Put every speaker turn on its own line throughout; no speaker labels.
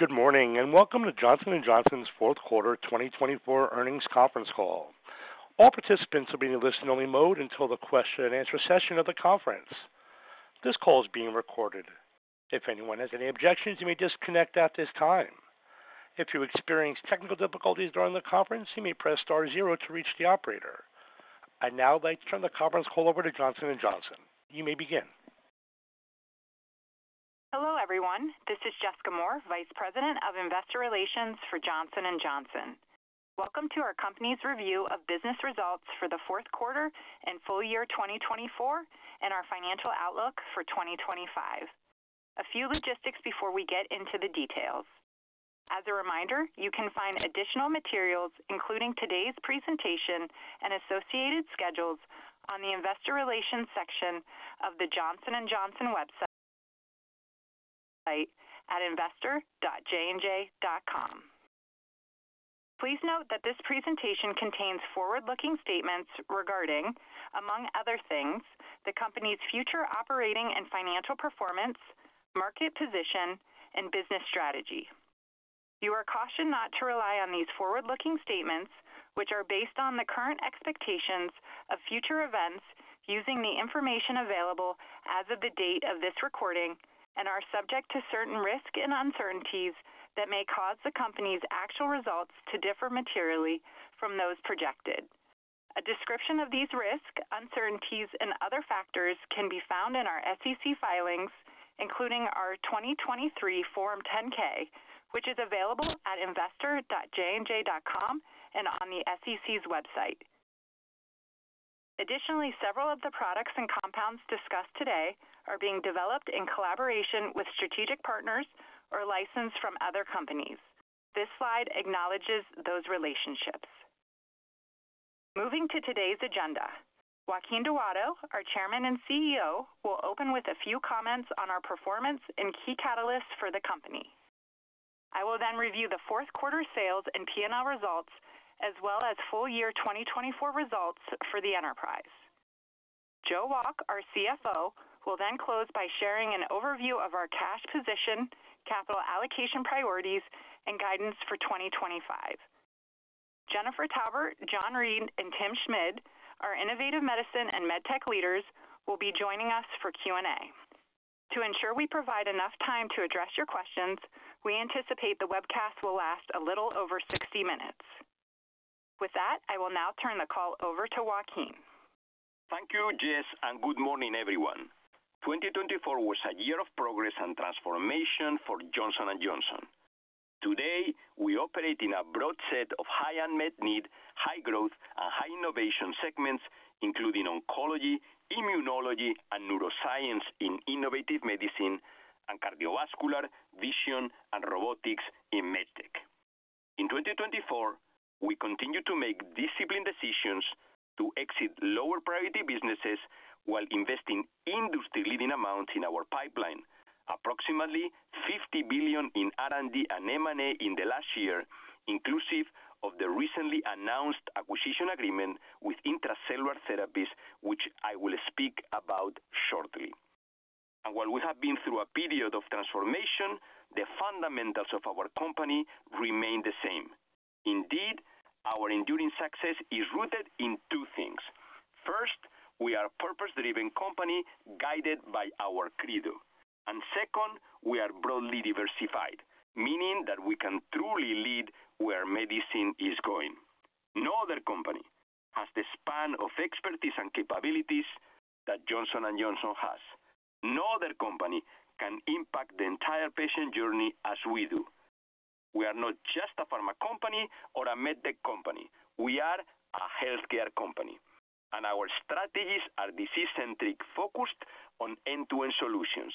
Good morning and welcome to Johnson & Johnson's Fourth Quarter 2024 Earnings Conference Call. All participants will be in a listen-only mode until the question-and-answer session of the conference. This call is being recorded. If anyone has any objections, you may disconnect at this time. If you experience technical difficulties during the conference, you may press star zero to reach the operator. I'd now like to turn the conference call over to Johnson & Johnson. You may begin.
Hello, everyone. This is Jessica Moore, Vice President of Investor Relations for Johnson & Johnson. Welcome to our company's review of business results for the fourth quarter and full year 2024, and our financial outlook for 2025. A few logistics before we get into the details. As a reminder, you can find additional materials, including today's presentation and associated schedules, on the Investor Relations section of the Johnson & Johnson website at investor.jnj.com. Please note that this presentation contains forward-looking statements regarding, among other things, the company's future operating and financial performance, market position, and business strategy. You are cautioned not to rely on these forward-looking statements, which are based on the current expectations of future events using the information available as of the date of this recording and are subject to certain risks and uncertainties that may cause the company's actual results to differ materially from those projected. A description of these risks, uncertainties, and other factors can be found in our SEC filings, including our 2023 Form 10-K, which is available at investor.jnj.com and on the SEC's website. Additionally, several of the products and compounds discussed today are being developed in collaboration with strategic partners or licensed from other companies. This slide acknowledges those relationships. Moving to today's agenda, Joaquin Duato, our Chairman and CEO, will open with a few comments on our performance and key catalysts for the company. I will then review the fourth quarter sales and P&L results, as well as full year 2024 results for the enterprise. Joe Wolk, our CFO, will then close by sharing an overview of our cash position, capital allocation priorities, and guidance for 2025. Jennifer Taubert, John Reed, and Tim Schmid, our Innovative Medicine and MedTech leaders, will be joining us for Q&A. To ensure we provide enough time to address your questions, we anticipate the webcast will last a little over 60 minutes. With that, I will now turn the call over to Joaquin.
Thank you, Jess, and good morning, everyone. 2024 was a year of progress and transformation for Johnson & Johnson. Today, we operate in a broad set of high unmet need, high growth, and high innovation segments, including oncology, immunology, and neuroscience in Innovative Medicine, and cardiovascular, vision, and robotics in MedTech. In 2024, we continue to make disciplined decisions to exit lower priority businesses while investing industry-leading amounts in our pipeline, approximately $50 billion in R&D and M&A in the last year, inclusive of the recently announced acquisition agreement with Intra-Cellular Therapies, which I will speak about shortly. And while we have been through a period of transformation, the fundamentals of our company remain the same. Indeed, our enduring success is rooted in two things. First, we are a purpose-driven company guided by our Credo. And second, we are broadly diversified, meaning that we can truly lead where medicine is going. No other company has the span of expertise and capabilities that Johnson & Johnson has. No other company can impact the entire patient journey as we do. We are not just a pharma company or a MedTech company. We are a healthcare company. And our strategies are disease-centric, focused on end-to-end solutions.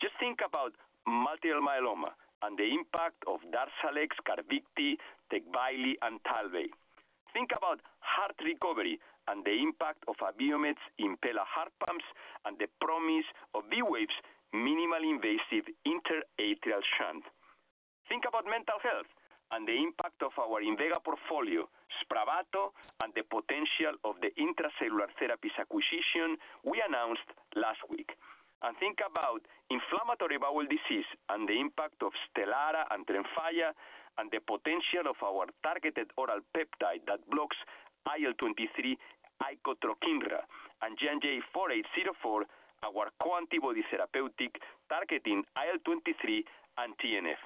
Just think about multiple myeloma and the impact of Darzalex, Carvykti, Tecvayli, and Talvey. Think about heart recovery and the impact of Abiomed's Impella heart pumps and the promise of V-Wave, minimally invasive intra-atrial shunt. Think about mental health and the impact of our Invega portfolio, Spravato, and the potential of the Intra-Cellular Therapies acquisition we announced last week. Think about inflammatory bowel disease and the impact of Stelara and Tremfya, and the potential of our targeted oral peptide that blocks IL-23, Icotrokinra, and JNJ-4804, our bispecific antibody therapeutic targeting IL-23 and TNF.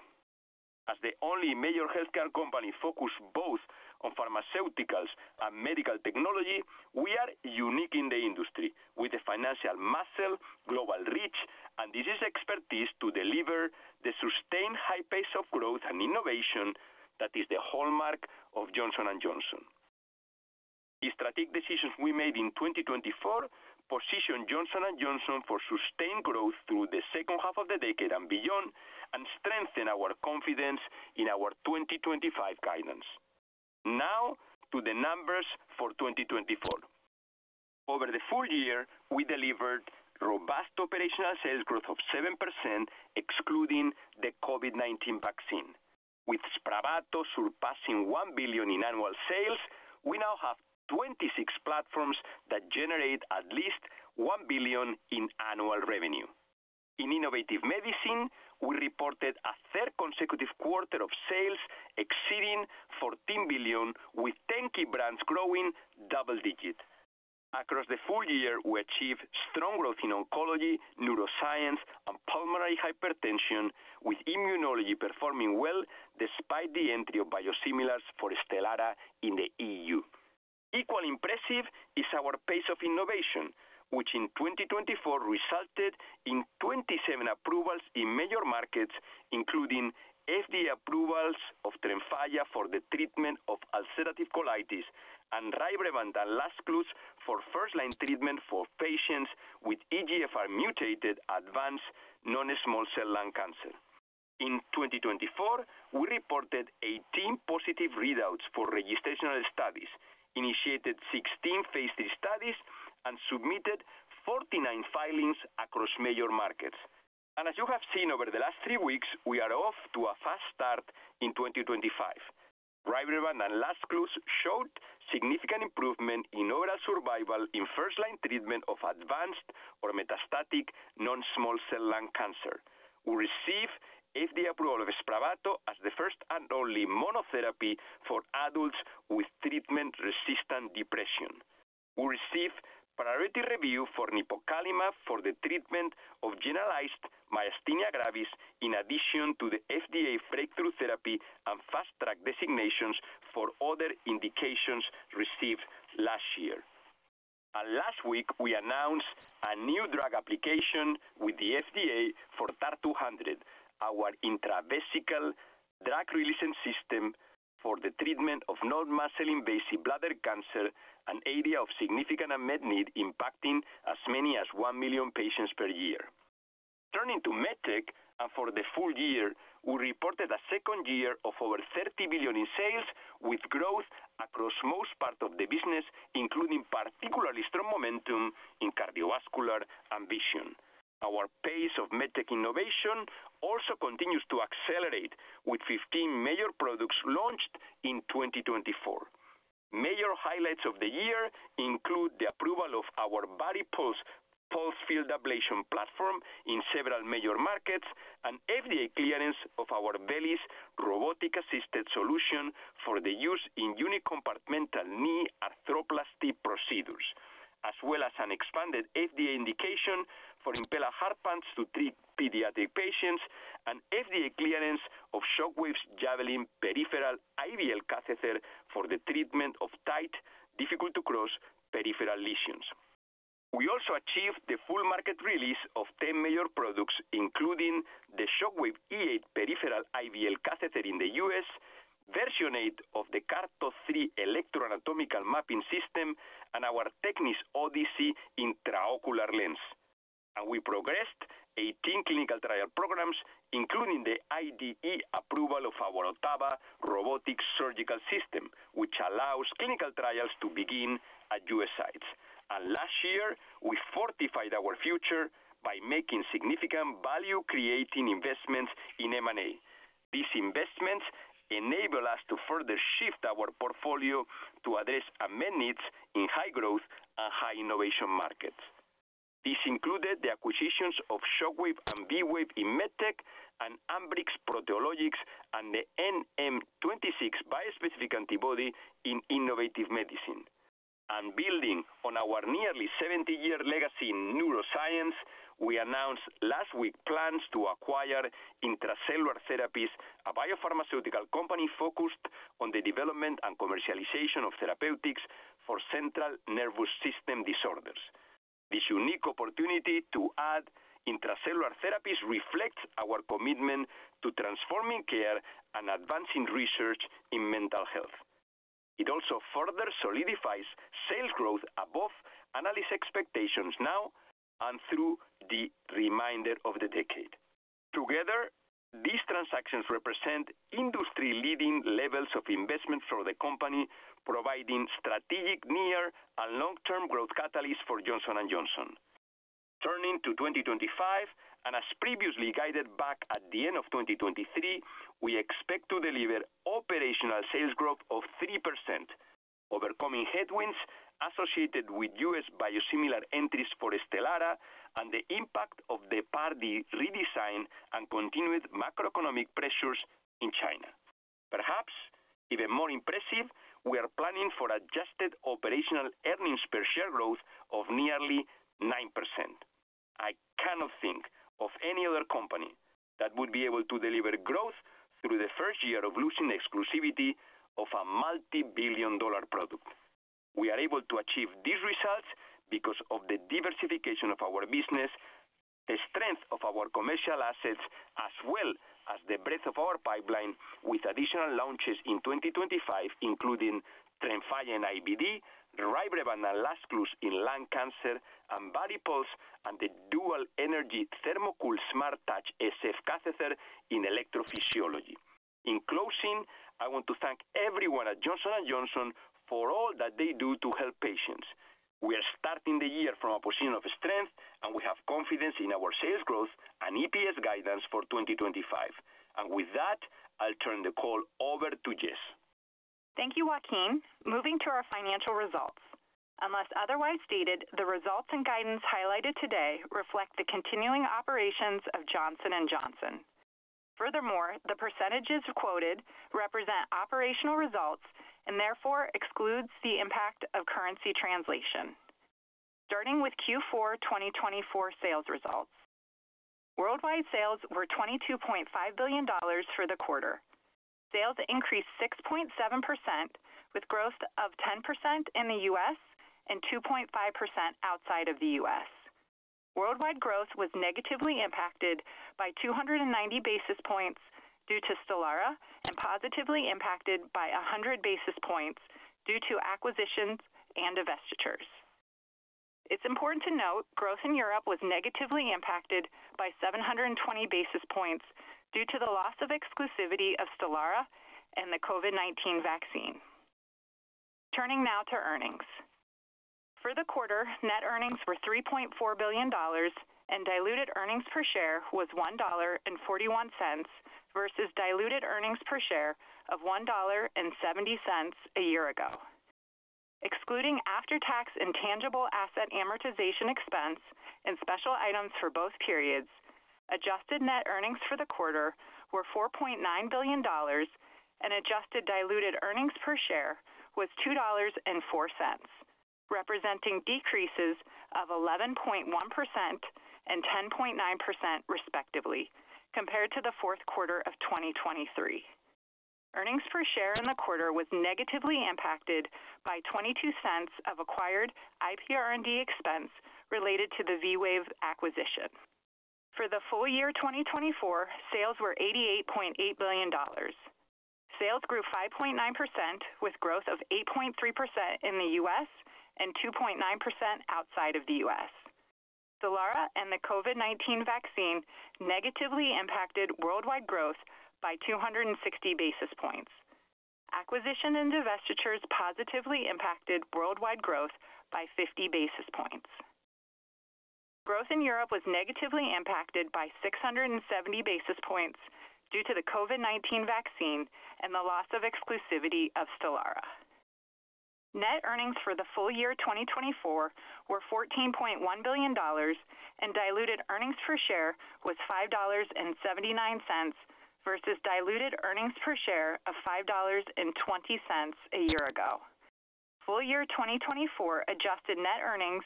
As the only major healthcare company focused both on pharmaceuticals and medical technology, we are unique in the industry with the financial muscle, global reach, and disease expertise to deliver the sustained high pace of growth and innovation that is the hallmark of Johnson & Johnson. The strategic decisions we made in 2024 position Johnson & Johnson for sustained growth through the second half of the decade and beyond, and strengthen our confidence in our 2025 guidance. Now, to the numbers for 2024. Over the full year, we delivered robust operational sales growth of 7%, excluding the COVID-19 vaccine. With Spravato surpassing $1 billion in annual sales, we now have 26 platforms that generate at least $1 billion in annual revenue. In Innovative Medicine, we reported a third consecutive quarter of sales exceeding $14 billion, with 10 key brands growing double-digit. Across the full year, we achieved strong growth in oncology, neuroscience, and pulmonary hypertension, with immunology performing well despite the entry of biosimilars for Stelara in the EU. Equally impressive is our pace of innovation, which in 2024 resulted in 27 approvals in major markets, including FDA approvals of Tremfya for the treatment of ulcerative colitis, and Rybrevant and Lazcluze for first-line treatment for patients with EGFR-mutated advanced non-small cell lung cancer. In 2024, we reported 18 positive readouts for registrational studies, initiated 16 phase III studies, and submitted 49 filings across major markets. As you have seen over the last three weeks, we are off to a fast start in 2025. Rybrevant and Lazcluze showed significant improvement in overall survival in first-line treatment of advanced or metastatic non-small cell lung cancer. We received FDA approval of Spravato as the first and only monotherapy for adults with treatment-resistant depression. We received priority review for nipocalimab for the treatment of generalized myasthenia gravis, in addition to the FDA breakthrough therapy and fast-track designations for other indications received last year. Last week, we announced a new drug application with the FDA for TAR-200, our intravesical drug delivery system for the treatment of non-muscle-invasive bladder cancer, an area of significant unmet need impacting as many as one million patients per year. Turning to MedTech, and for the full year, we reported a second year of over $30 billion in sales, with growth across most parts of the business, including particularly strong momentum in cardiovascular and vision. Our pace of MedTech innovation also continues to accelerate, with 15 major products launched in 2024. Major highlights of the year include the approval of our VARIPULSE pulsed field ablation platform in several major markets, and FDA clearance of our VELYS robotic-assisted solution for the use in unicompartmental knee arthroplasty procedures, as well as an expanded FDA indication for Impella heart pumps to treat pediatric patients, and FDA clearance of Shockwave's Javelin peripheral IVL catheter for the treatment of tight, difficult-to-cross peripheral lesions. We also achieved the full market release of 10 major products, including the Shockwave E8 peripheral IVL catheter in the U.S., version 8 of the CARTO 3 electroanatomical mapping system, and our TECNIS Odyssey intraocular lens. And we progressed 18 clinical trial programs, including the IDE approval of our Ottava robotic surgical system, which allows clinical trials to begin at U.S. sites. And last year, we fortified our future by making significant value-creating investments in M&A. These investments enable us to further shift our portfolio to address unmet needs in high-growth and high-innovation markets. This included the acquisitions of Shockwave and V-Wave in MedTech, and Ambrx ProteoLogics, and the NM26 bispecific antibody in Innovative Medicine. And building on our nearly 70-year legacy in neuroscience, we announced last week plans to acquire Intra-Cellular Therapies, a biopharmaceutical company focused on the development and commercialization of therapeutics for central nervous system disorders. This unique opportunity to add Intra-Cellular Therapies reflects our commitment to transforming care and advancing research in mental health. It also further solidifies sales growth above analyst expectations now and through the remainder of the decade. Together, these transactions represent industry-leading levels of investment for the company, providing strategic near and long-term growth catalysts for Johnson & Johnson. Turning to 2025, and as previously guided back at the end of 2023, we expect to deliver operational sales growth of 3%, overcoming headwinds associated with U.S. biosimilar entries for Stelara and the impact of the Part D redesign and continued macroeconomic pressures in China. Perhaps even more impressive, we are planning for adjusted operational earnings per share growth of nearly 9%. I cannot think of any other company that would be able to deliver growth through the first year of losing exclusivity of a multi-billion dollar product. We are able to achieve these results because of the diversification of our business, the strength of our commercial assets, as well as the breadth of our pipeline, with additional launches in 2025, including Tremfya and IBD, Rybrevant and Lazcluze in lung cancer, and VARIPULSE, and the ThermoCool SmartTouch SF catheter in electrophysiology. In closing, I want to thank everyone at Johnson & Johnson for all that they do to help patients. We are starting the year from a position of strength, and we have confidence in our sales growth and EPS guidance for 2025, and with that, I'll turn the call over to Jess.
Thank you, Joaquin. Moving to our financial results. Unless otherwise stated, the results and guidance highlighted today reflect the continuing operations of Johnson & Johnson. Furthermore, the percentages quoted represent operational results and therefore exclude the impact of currency translation. Starting with Q4 2024 sales results. Worldwide sales were $22.5 billion for the quarter. Sales increased 6.7%, with growth of 10% in the U.S. and 2.5% outside of the US. Worldwide growth was negatively impacted by 290 basis points due to Stelara and positively impacted by 100 basis points due to acquisitions and divestitures. It's important to note growth in Europe was negatively impacted by 720 basis points due to the loss of exclusivity of Stelara and the COVID-19 vaccine. Turning now to earnings. For the quarter, net earnings were $3.4 billion, and diluted earnings per share was $1.41 versus diluted earnings per share of $1.70 a year ago. Excluding after-tax intangible asset amortization expense and special items for both periods, adjusted net earnings for the quarter were $4.9 billion, and adjusted diluted earnings per share was $2.04, representing decreases of 11.1% and 10.9%, respectively, compared to the fourth quarter of 2023. Earnings per share in the quarter was negatively impacted by $0.22 of acquired IPR&D expense related to the V-Wave acquisition. For the full year 2024, sales were $88.8 billion. Sales grew 5.9%, with growth of 8.3% in the U.S. and 2.9% outside of the U.S. Stelara and the COVID-19 vaccine negatively impacted worldwide growth by 260 basis points. Acquisitions and divestitures positively impacted worldwide growth by 50 basis points. Growth in Europe was negatively impacted by 670 basis points due to the COVID-19 vaccine and the loss of exclusivity of Stelara. Net earnings for the full year 2024 were $14.1 billion, and diluted earnings per share was $5.79 versus diluted earnings per share of $5.20 a year ago. Full year 2024 adjusted net earnings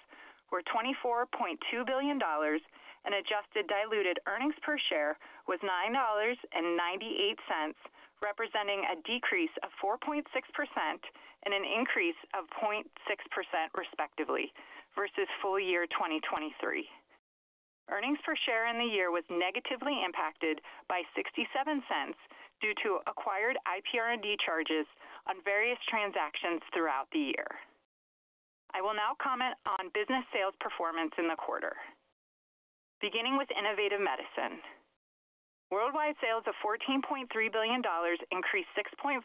were $24.2 billion, and adjusted diluted earnings per share was $9.98, representing a decrease of 4.6% and an increase of 0.6%, respectively, versus full year 2023. Earnings per share in the year was negatively impacted by $0.67 due to acquired IPR&D charges on various transactions throughout the year. I will now comment on business sales performance in the quarter, beginning with Innovative Medicine. Worldwide sales of $14.3 billion increased 6.5%,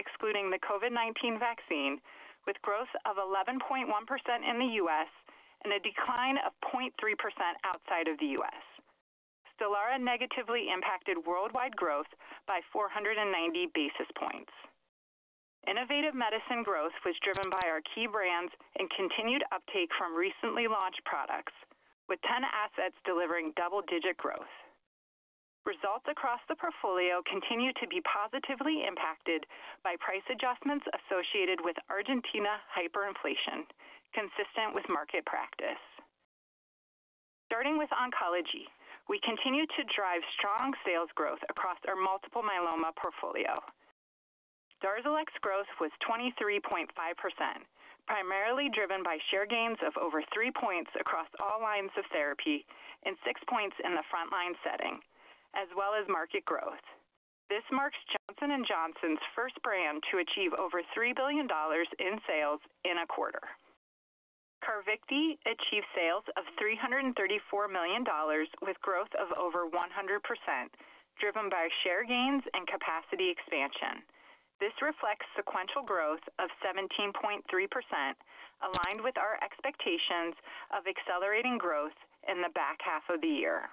excluding the COVID-19 vaccine, with growth of 11.1% in the U.S. and a decline of 0.3% outside of the U.S. Stelara negatively impacted worldwide growth by 490 basis points. Innovative Medicine growth was driven by our key brands and continued uptake from recently launched products, with 10 assets delivering double-digit growth. Results across the portfolio continue to be positively impacted by price adjustments associated with Argentina hyperinflation, consistent with market practice. Starting with oncology, we continue to drive strong sales growth across our multiple myeloma portfolio. Darzalex growth was 23.5%, primarily driven by share gains of over 3 points across all lines of therapy and 6 points in the front-line setting, as well as market growth. This marks Johnson & Johnson's first brand to achieve over $3 billion in sales in a quarter. Carvykti achieved sales of $334 million, with growth of over 100%, driven by share gains and capacity expansion. This reflects sequential growth of 17.3%, aligned with our expectations of accelerating growth in the back half of the year.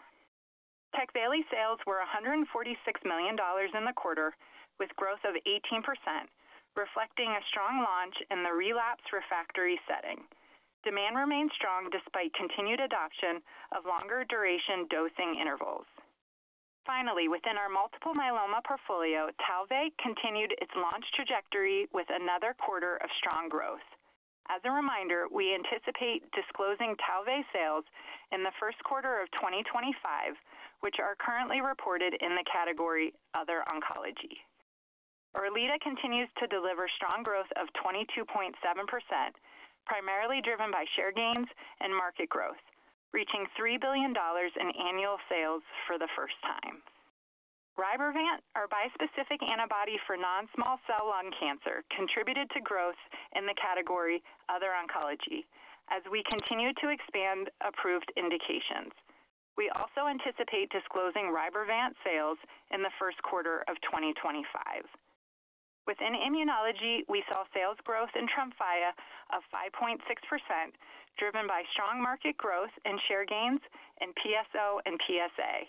Tecvayli sales were $146 million in the quarter, with growth of 18%, reflecting a strong launch in the relapse refractory setting. Demand remained strong despite continued adoption of longer-duration dosing intervals. Finally, within our multiple myeloma portfolio, Talvey continued its launch trajectory with another quarter of strong growth. As a reminder, we anticipate disclosing Talvey sales in the first quarter of 2025, which are currently reported in the category Other Oncology. Erleada continues to deliver strong growth of 22.7%, primarily driven by share gains and market growth, reaching $3 billion in annual sales for the first time. Rybrevant, our bispecific antibody for non-small cell lung cancer, contributed to growth in the category Other Oncology as we continue to expand approved indications. We also anticipate disclosing Rybrevant sales in the first quarter of 2025. Within immunology, we saw sales growth in Tremfya of 5.6%, driven by strong market growth and share gains in PSO and PSA,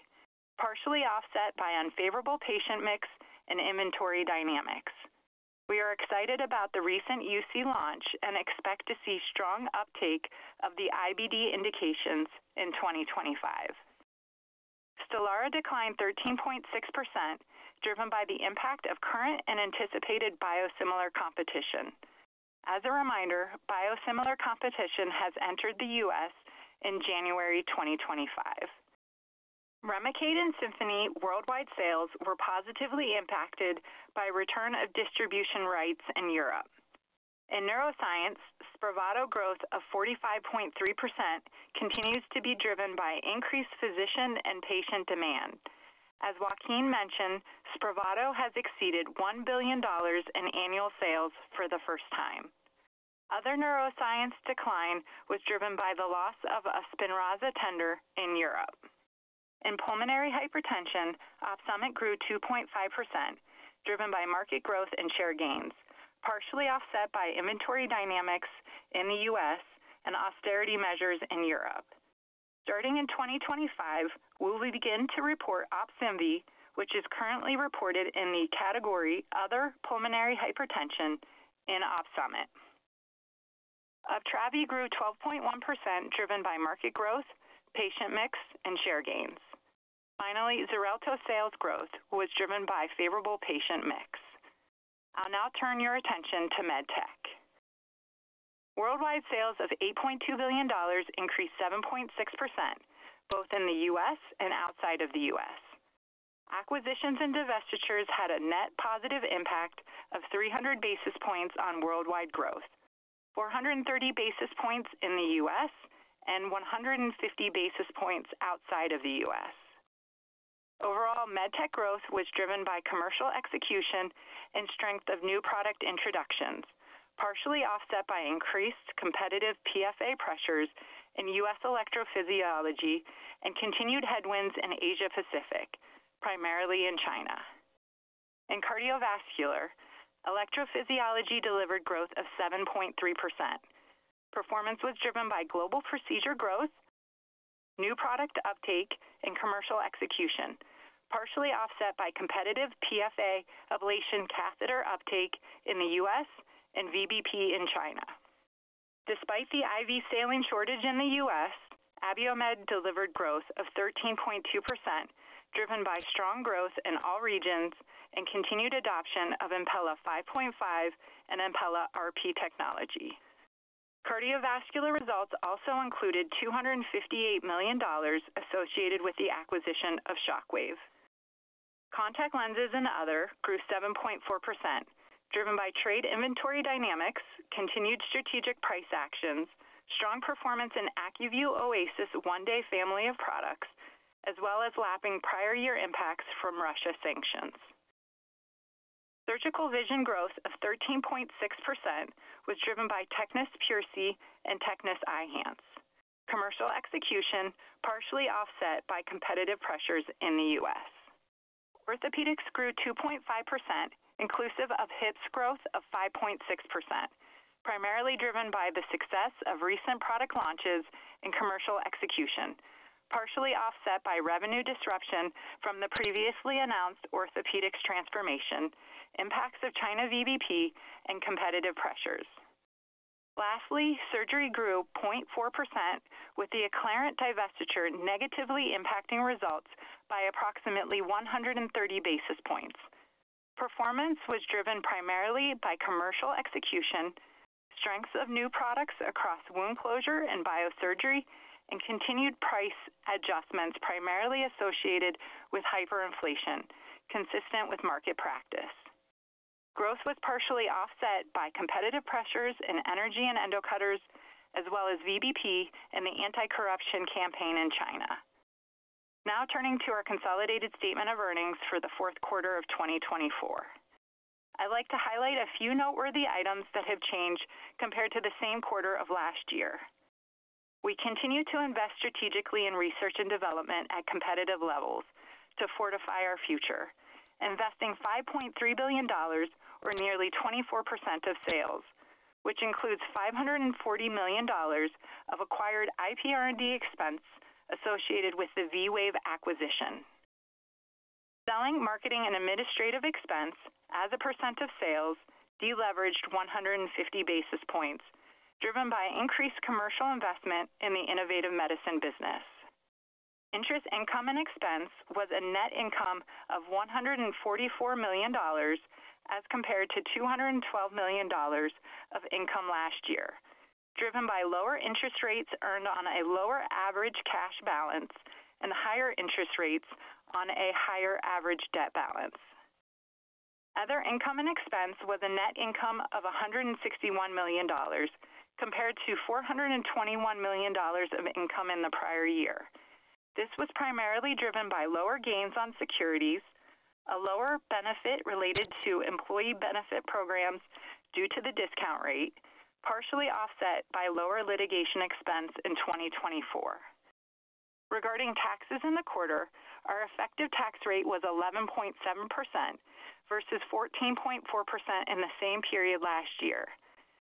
partially offset by unfavorable patient mix and inventory dynamics. We are excited about the recent UC launch and expect to see strong uptake of the IBD indications in 2025. Stelara declined 13.6%, driven by the impact of current and anticipated biosimilar competition. As a reminder, biosimilar competition has entered the U.S. in January 2025. Remicade and Simponi worldwide sales were positively impacted by return of distribution rights in Europe. In neuroscience, Spravato growth of 45.3% continues to be driven by increased physician and patient demand. As Joaquin mentioned, Spravato has exceeded $1 billion in annual sales for the first time. Other neuroscience decline was driven by the loss of a Spinraza tender in Europe. In pulmonary hypertension, Opsumit grew 2.5%, driven by market growth and share gains, partially offset by inventory dynamics in the U.S. and austerity measures in Europe. Starting in 2025, we will begin to report Opsynvi, which is currently reported in the category Other Pulmonary Hypertension and Opsumit. Uptravi grew 12.1%, driven by market growth, patient mix, and share gains. Finally, Xarelto sales growth was driven by favorable patient mix. I'll now turn your attention to MedTech. Worldwide sales of $8.2 billion increased 7.6%, both in the U.S. and outside of the U.S. Acquisitions and divestitures had a net positive impact of 300 basis points on worldwide growth, 430 basis points in the U.S. and 150 basis points outside of the U.S. Overall, MedTech growth was driven by commercial execution and strength of new product introductions, partially offset by increased competitive PFA pressures in U.S. electrophysiology and continued headwinds in Asia-Pacific, primarily in China. In cardiovascular, electrophysiology delivered growth of 7.3%. Performance was driven by global procedure growth, new product uptake, and commercial execution, partially offset by competitive PFA ablation catheter uptake in the U.S. and VBP in China. Despite the IV saline shortage in the U.S., Abiomed delivered growth of 13.2%, driven by strong growth in all regions and continued adoption of Impella 5.5 and Impella RP technology. Cardiovascular results also included $258 million associated with the acquisition of Shockwave. Contact lenses and other grew 7.4%, driven by trade inventory dynamics, continued strategic price actions, strong performance in Acuvue Oasys 1-Day family of products, as well as lapping prior year impacts from Russia sanctions. Surgical vision growth of 13.6% was driven by TECNIS PureSee and TECNIS Eyhance. Commercial execution partially offset by competitive pressures in the U.S. Orthopedics grew 2.5%, inclusive of hips growth of 5.6%, primarily driven by the success of recent product launches and commercial execution, partially offset by revenue disruption from the previously announced orthopedics transformation, impacts of China VBP, and competitive pressures. Lastly, surgery grew 0.4%, with the Acclarent divestiture negatively impacting results by approximately 130 basis points. Performance was driven primarily by commercial execution, strengths of new products across wound closure and biosurgery, and continued price adjustments primarily associated with hyperinflation, consistent with market practice. Growth was partially offset by competitive pressures in energy and endocutters, as well as VBP and the anti-corruption campaign in China. Now turning to our consolidated statement of earnings for the fourth quarter of 2024, I'd like to highlight a few noteworthy items that have changed compared to the same quarter of last year. We continue to invest strategically in research and development at competitive levels to fortify our future, investing $5.3 billion, or nearly 24% of sales, which includes $540 million of acquired IPR&D expense associated with the V-Wave acquisition. Selling, marketing, and administrative expense as a percent of sales deleveraged 150 basis points, driven by increased commercial investment in the Innovative Medicine business. Interest income and expense was a net income of $144 million as compared to $212 million of income last year, driven by lower interest rates earned on a lower average cash balance and higher interest rates on a higher average debt balance. Other income and expense was a net income of $161 million compared to $421 million of income in the prior year. This was primarily driven by lower gains on securities, a lower benefit related to employee benefit programs due to the discount rate, partially offset by lower litigation expense in 2024. Regarding taxes in the quarter, our effective tax rate was 11.7% versus 14.4% in the same period last year.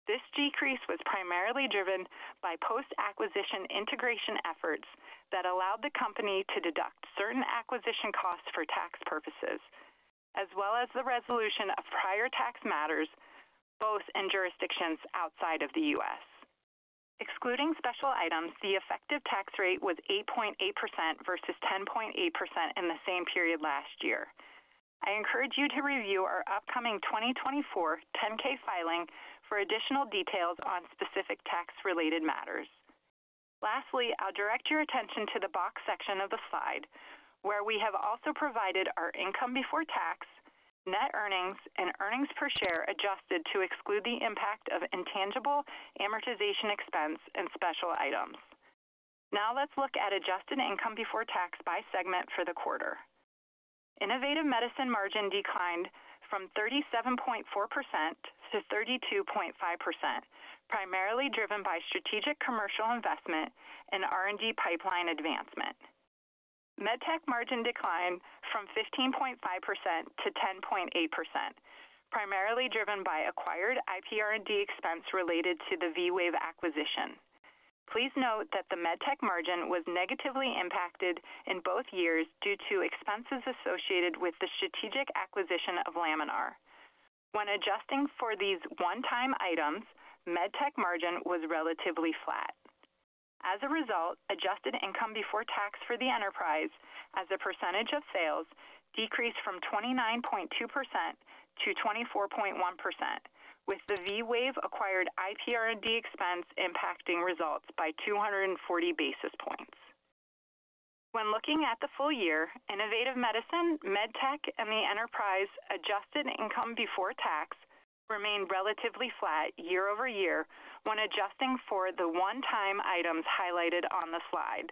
This decrease was primarily driven by post-acquisition integration efforts that allowed the company to deduct certain acquisition costs for tax purposes, as well as the resolution of prior tax matters both in jurisdictions outside of the U.S. Excluding special items, the effective tax rate was 8.8% versus 10.8% in the same period last year. I encourage you to review our upcoming 2024 10-K filing for additional details on specific tax-related matters. Lastly, I'll direct your attention to the box section of the slide, where we have also provided our income before tax, net earnings, and earnings per share adjusted to exclude the impact of intangible amortization expense and special items. Now let's look at adjusted income before tax by segment for the quarter. Innovative Medicine margin declined from 37.4% to 32.5%, primarily driven by strategic commercial investment and R&D pipeline advancement. MedTech margin declined from 15.5% to 10.8%, primarily driven by acquired IPR&D expense related to the V-Wave acquisition. Please note that the MedTech margin was negatively impacted in both years due to expenses associated with the strategic acquisition of Laminar. When adjusting for these one-time items, MedTech margin was relatively flat. As a result, adjusted income before tax for the enterprise as a percentage of sales decreased from 29.2% to 24.1%, with the V-Wave acquired IPR&D expense impacting results by 240 basis points. When looking at the full year, Innovative Medicine, MedTech, and the enterprise adjusted income before tax remained relatively flat year over year when adjusting for the one-time items highlighted on the slide,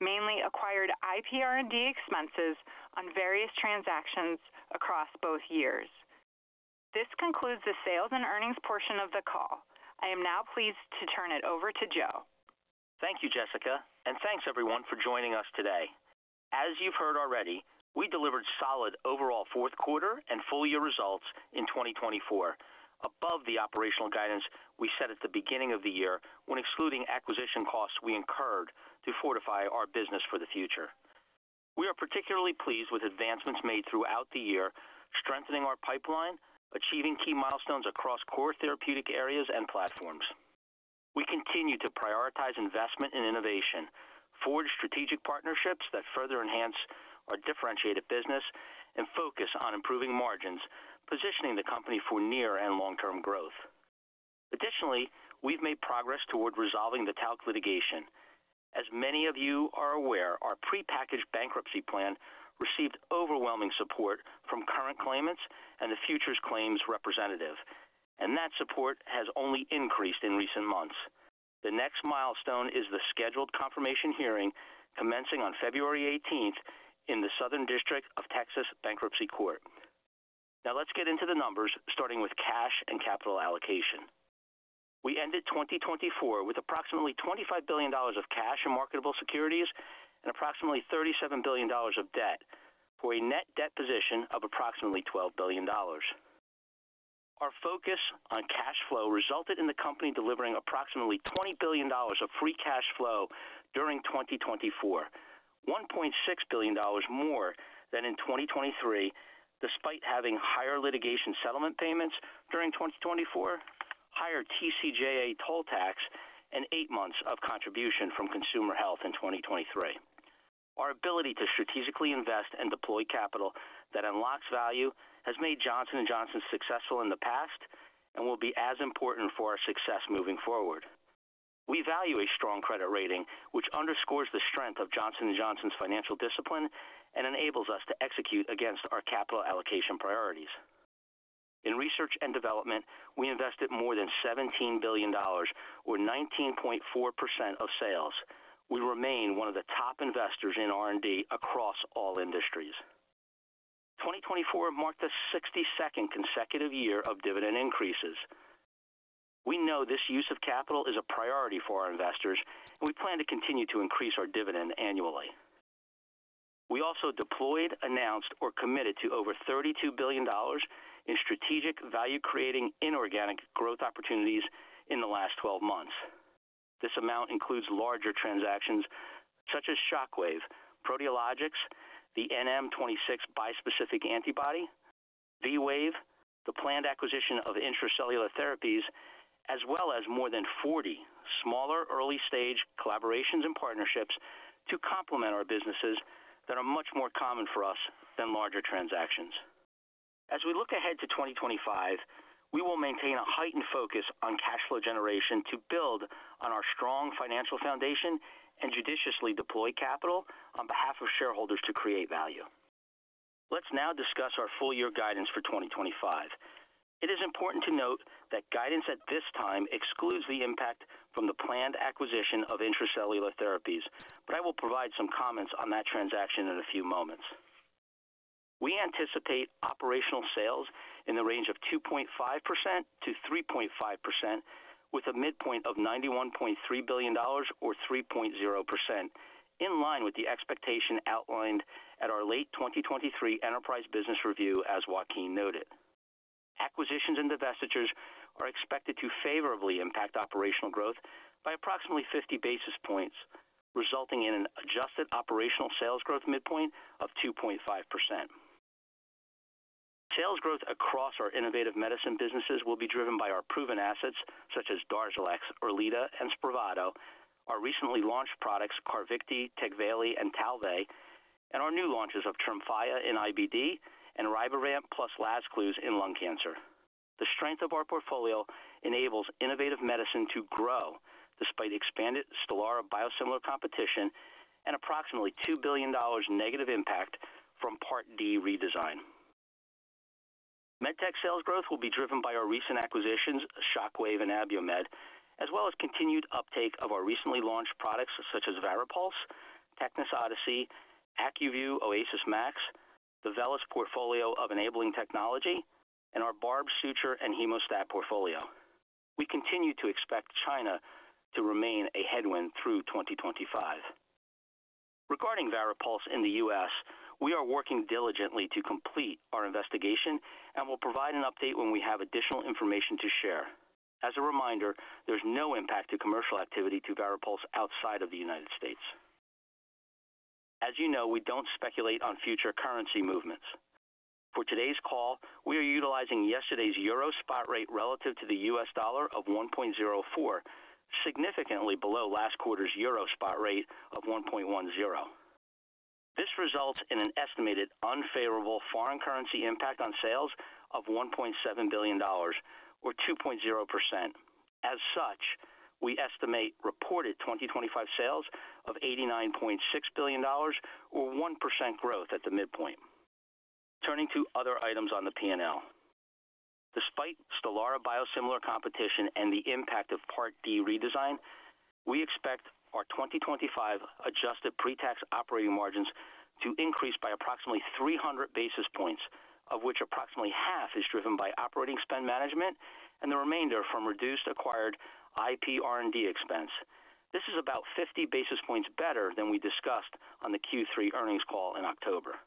mainly acquired IPR&D expenses on various transactions across both years. This concludes the sales and earnings portion of the call. I am now pleased to turn it over to Joe.
Thank you, Jessica, and thanks everyone for joining us today. As you've heard already, we delivered solid overall fourth quarter and full year results in 2024, above the operational guidance we set at the beginning of the year when excluding acquisition costs we incurred to fortify our business for the future. We are particularly pleased with advancements made throughout the year, strengthening our pipeline, achieving key milestones across core therapeutic areas and platforms. We continue to prioritize investment and innovation, forge strategic partnerships that further enhance our differentiated business, and focus on improving margins, positioning the company for near and long-term growth. Additionally, we've made progress toward resolving the talc litigation. As many of you are aware, our prepackaged bankruptcy plan received overwhelming support from current claimants and the futures claims representative, and that support has only increased in recent months. The next milestone is the scheduled confirmation hearing commencing on February 18th in the Southern District of Texas Bankruptcy Court. Now let's get into the numbers, starting with cash and capital allocation. We ended 2024 with approximately $25 billion of cash and marketable securities and approximately $37 billion of debt for a net debt position of approximately $12 billion. Our focus on cash flow resulted in the company delivering approximately $20 billion of free cash flow during 2024, $1.6 billion more than in 2023, despite having higher litigation settlement payments during 2024, higher TCJA toll tax, and eight months of contribution from Consumer Health in 2023. Our ability to strategically invest and deploy capital that unlocks value has made Johnson & Johnson successful in the past and will be as important for our success moving forward. We value a strong credit rating, which underscores the strength of Johnson & Johnson's financial discipline and enables us to execute against our capital allocation priorities. In research and development, we invested more than $17 billion, or 19.4% of sales. We remain one of the top investors in R&D across all industries. 2024 marked the 62nd consecutive year of dividend increases. We know this use of capital is a priority for our investors, and we plan to continue to increase our dividend annually. We also deployed, announced, or committed to over $32 billion in strategic value-creating inorganic growth opportunities in the last 12 months. This amount includes larger transactions such as Shockwave, Proteologics, the NM26 bispecific antibody, V-Wave, the planned acquisition of Intra-Cellular Therapies, as well as more than 40 smaller early-stage collaborations and partnerships to complement our businesses that are much more common for us than larger transactions. As we look ahead to 2025, we will maintain a heightened focus on cash flow generation to build on our strong financial foundation and judiciously deploy capital on behalf of shareholders to create value. Let's now discuss our full year guidance for 2025. It is important to note that guidance at this time excludes the impact from the planned acquisition of Intra-Cellular Therapies, but I will provide some comments on that transaction in a few moments. We anticipate operational sales in the range of 2.5%-3.5%, with a midpoint of $91.3 billion, or 3.0%, in line with the expectation outlined at our late 2023 enterprise business review, as Joaquin noted. Acquisitions and divestitures are expected to favorably impact operational growth by approximately 50 basis points, resulting in an adjusted operational sales growth midpoint of 2.5%. Sales growth across our Innovative Medicine businesses will be driven by our proven assets such as Darzalex, Erleada, and Spravato, our recently launched products Carvykti, Tecvayli, and Talvey, and our new launches of Tremfya in IBD and Rybrevant plus Lazcluze in lung cancer. The strength of our portfolio enables Innovative Medicine to grow despite expanded Stelara biosimilar competition and approximately $2 billion negative impact from Part D redesign. MedTech sales growth will be driven by our recent acquisitions, Shockwave and Abiomed, as well as continued uptake of our recently launched products such as VARIPULSE, TECNIS Odyssey, Acuvue Oasys Max, the VELYS portfolio of enabling technology, and our barb, suture, and hemostat portfolio. We continue to expect China to remain a headwind through 2025. Regarding VARIPULSE in the U.S., we are working diligently to complete our investigation and will provide an update when we have additional information to share. As a reminder, there's no impact to commercial activity to VARIPULSE outside of the United States. As you know, we don't speculate on future currency movements. For today's call, we are utilizing yesterday's EUR spot rate relative to the USD of 1.04, significantly below last quarter's EUR spot rate of 1.10. This results in an estimated unfavorable foreign currency impact on sales of $1.7 billion, or 2.0%. As such, we estimate reported 2025 sales of $89.6 billion, or 1% growth at the midpoint. Turning to other items on the P&L. Despite Stelara biosimilar competition and the impact of Part D redesign, we expect our 2025 adjusted pre-tax operating margins to increase by approximately 300 basis points, of which approximately half is driven by operating spend management and the remainder from reduced acquired IPR&D expense. This is about 50 basis points better than we discussed on the Q3 earnings call in October.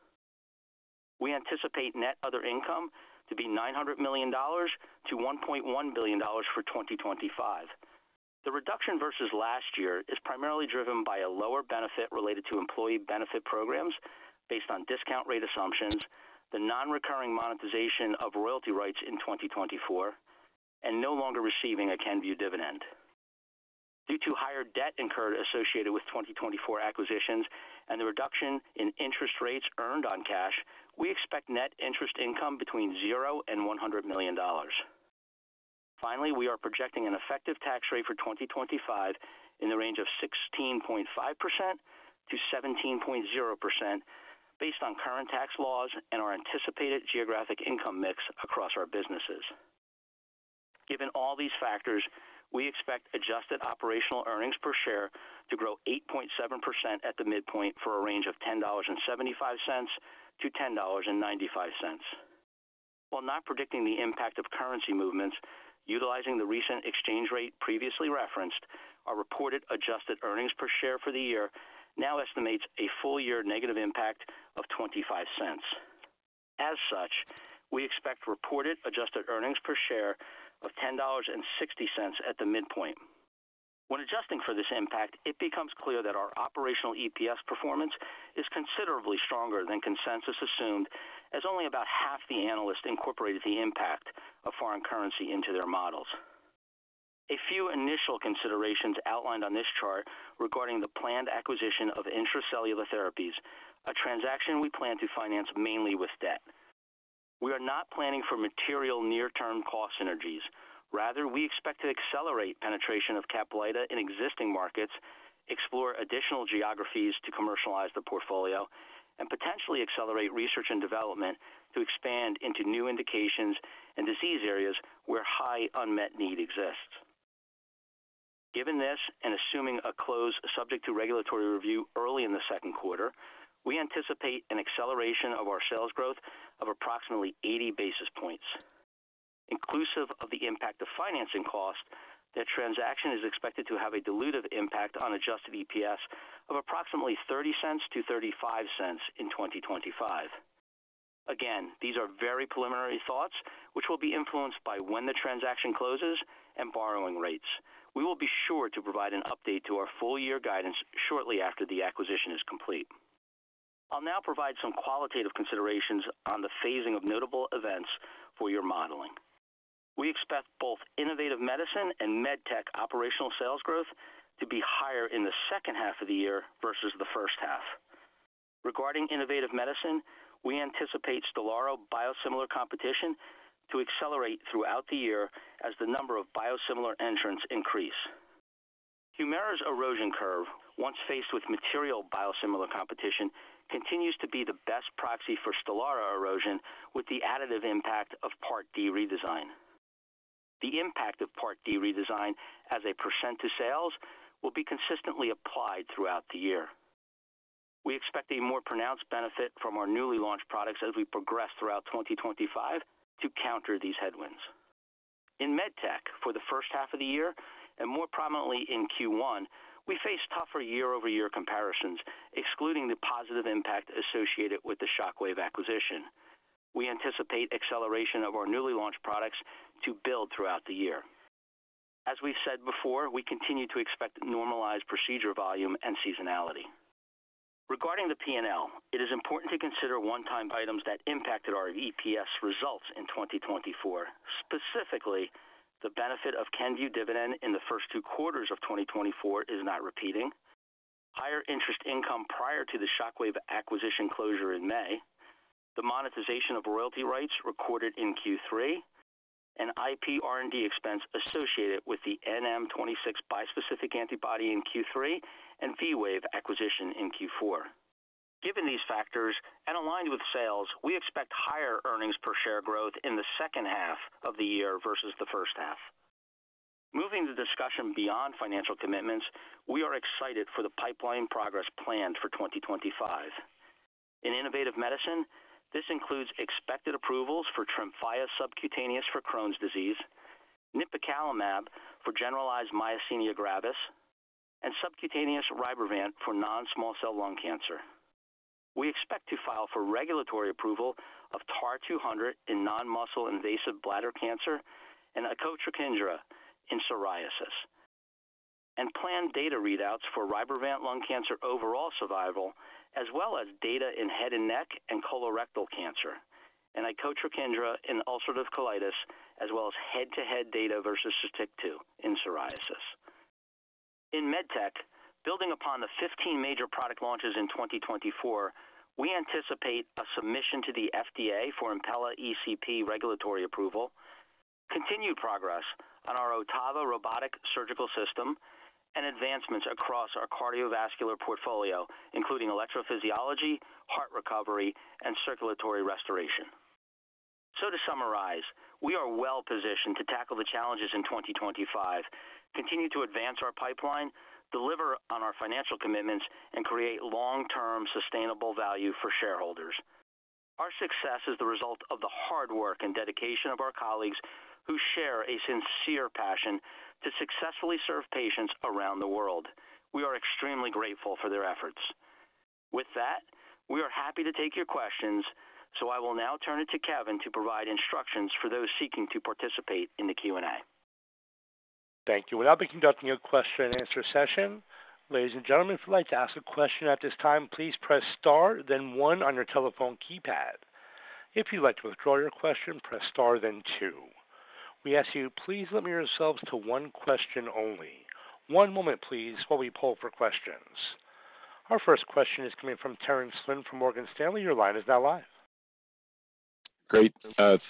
We anticipate net other income to be $900 million to $1.1 billion for 2025. The reduction versus last year is primarily driven by a lower benefit related to employee benefit programs based on discount rate assumptions, the non-recurring monetization of royalty rights in 2024, and no longer receiving a Kenvue dividend. Due to higher debt incurred associated with 2024 acquisitions and the reduction in interest rates earned on cash, we expect net interest income between $0 and $100 million. Finally, we are projecting an effective tax rate for 2025 in the range of 16.5%-17.0% based on current tax laws and our anticipated geographic income mix across our businesses. Given all these factors, we expect adjusted operational earnings per share to grow 8.7% at the midpoint for a range of $10.75-$10.95. While not predicting the impact of currency movements, utilizing the recent exchange rate previously referenced, our reported adjusted earnings per share for the year now estimates a full year negative impact of $0.25. As such, we expect reported adjusted earnings per share of $10.60 at the midpoint. When adjusting for this impact, it becomes clear that our operational EPS performance is considerably stronger than consensus assumed, as only about half the analysts incorporated the impact of foreign currency into their models. A few initial considerations outlined on this chart regarding the planned acquisition of Intra-Cellular Therapies, a transaction we plan to finance mainly with debt. We are not planning for material near-term cost synergies. Rather, we expect to accelerate penetration of Caplyta in existing markets, explore additional geographies to commercialize the portfolio, and potentially accelerate research and development to expand into new indications and disease areas where high unmet need exists. Given this and assuming a close subject to regulatory review early in the second quarter, we anticipate an acceleration of our sales growth of approximately 80 basis points. Inclusive of the impact of financing cost, the transaction is expected to have a dilutive impact on adjusted EPS of approximately $0.30 to $0.35 in 2025. Again, these are very preliminary thoughts, which will be influenced by when the transaction closes and borrowing rates. We will be sure to provide an update to our full year guidance shortly after the acquisition is complete. I'll now provide some qualitative considerations on the phasing of notable events for your modeling. We expect both Innovative Medicine and MedTech operational sales growth to be higher in the second half of the year versus the first half. Regarding Innovative Medicine, we anticipate Stelara biosimilar competition to accelerate throughout the year as the number of biosimilar entrants increase. Humira's erosion curve, once faced with material biosimilar competition, continues to be the best proxy for Stelara erosion with the additive impact of Part D redesign. The impact of Part D redesign as a % to sales will be consistently applied throughout the year. We expect a more pronounced benefit from our newly launched products as we progress throughout 2025 to counter these headwinds. In MedTech for the first half of the year and more prominently in Q1, we face tougher year-over-year comparisons, excluding the positive impact associated with the Shockwave acquisition. We anticipate acceleration of our newly launched products to build throughout the year. As we've said before, we continue to expect normalized procedure volume and seasonality. Regarding the P&L, it is important to consider one-time items that impacted our EPS results in 2024. Specifically, the benefit of Kenvue dividend in the first two quarters of 2024 is not repeating, higher interest income prior to the Shockwave acquisition closure in May, the monetization of royalty rights recorded in Q3, and IPR&D expense associated with the NM26 bispecific antibody in Q3 and V-Wave acquisition in Q4. Given these factors and aligned with sales, we expect higher earnings per share growth in the second half of the year versus the first half. Moving the discussion beyond financial commitments, we are excited for the pipeline progress planned for 2025. In Innovative Medicine, this includes expected approvals for Tremfya subcutaneous for Crohn's disease, Nipocalimab for generalized myasthenia gravis, and subcutaneous Rybrevant for non-small cell lung cancer. We expect to file for regulatory approval of TAR-200 in non-muscle invasive bladder cancer and Icotrokinra in psoriasis, and plan data readouts for Rybrevant lung cancer overall survival, as well as data in head and neck and colorectal cancer and Icotrokinra in ulcerative colitis, as well as head-to-head data versus Sotyktu in psoriasis. In MedTech, building upon the 15 major product launches in 2024, we anticipate a submission to the FDA for Impella ECP regulatory approval, continued progress on our Ottava robotic surgical system, and advancements across our cardiovascular portfolio, including electrophysiology, heart recovery, and circulatory restoration. So to summarize, we are well positioned to tackle the challenges in 2025, continue to advance our pipeline, deliver on our financial commitments, and create long-term sustainable value for shareholders. Our success is the result of the hard work and dedication of our colleagues who share a sincere passion to successfully serve patients around the world. We are extremely grateful for their efforts. With that, we are happy to take your questions, so I will now turn it to Kevin to provide instructions for those seeking to participate in the Q&A.
Thank you. We'll now be conducting a question-and-answer session. Ladies and gentlemen, if you'd like to ask a question at this time, please press star, then one on your telephone keypad. If you'd like to withdraw your question, press star, then two. We ask you, please limit yourselves to one question only. One moment, please, while we pull for questions. Our first question is coming from Terence Flynn from Morgan Stanley. Your line is now live.
Great.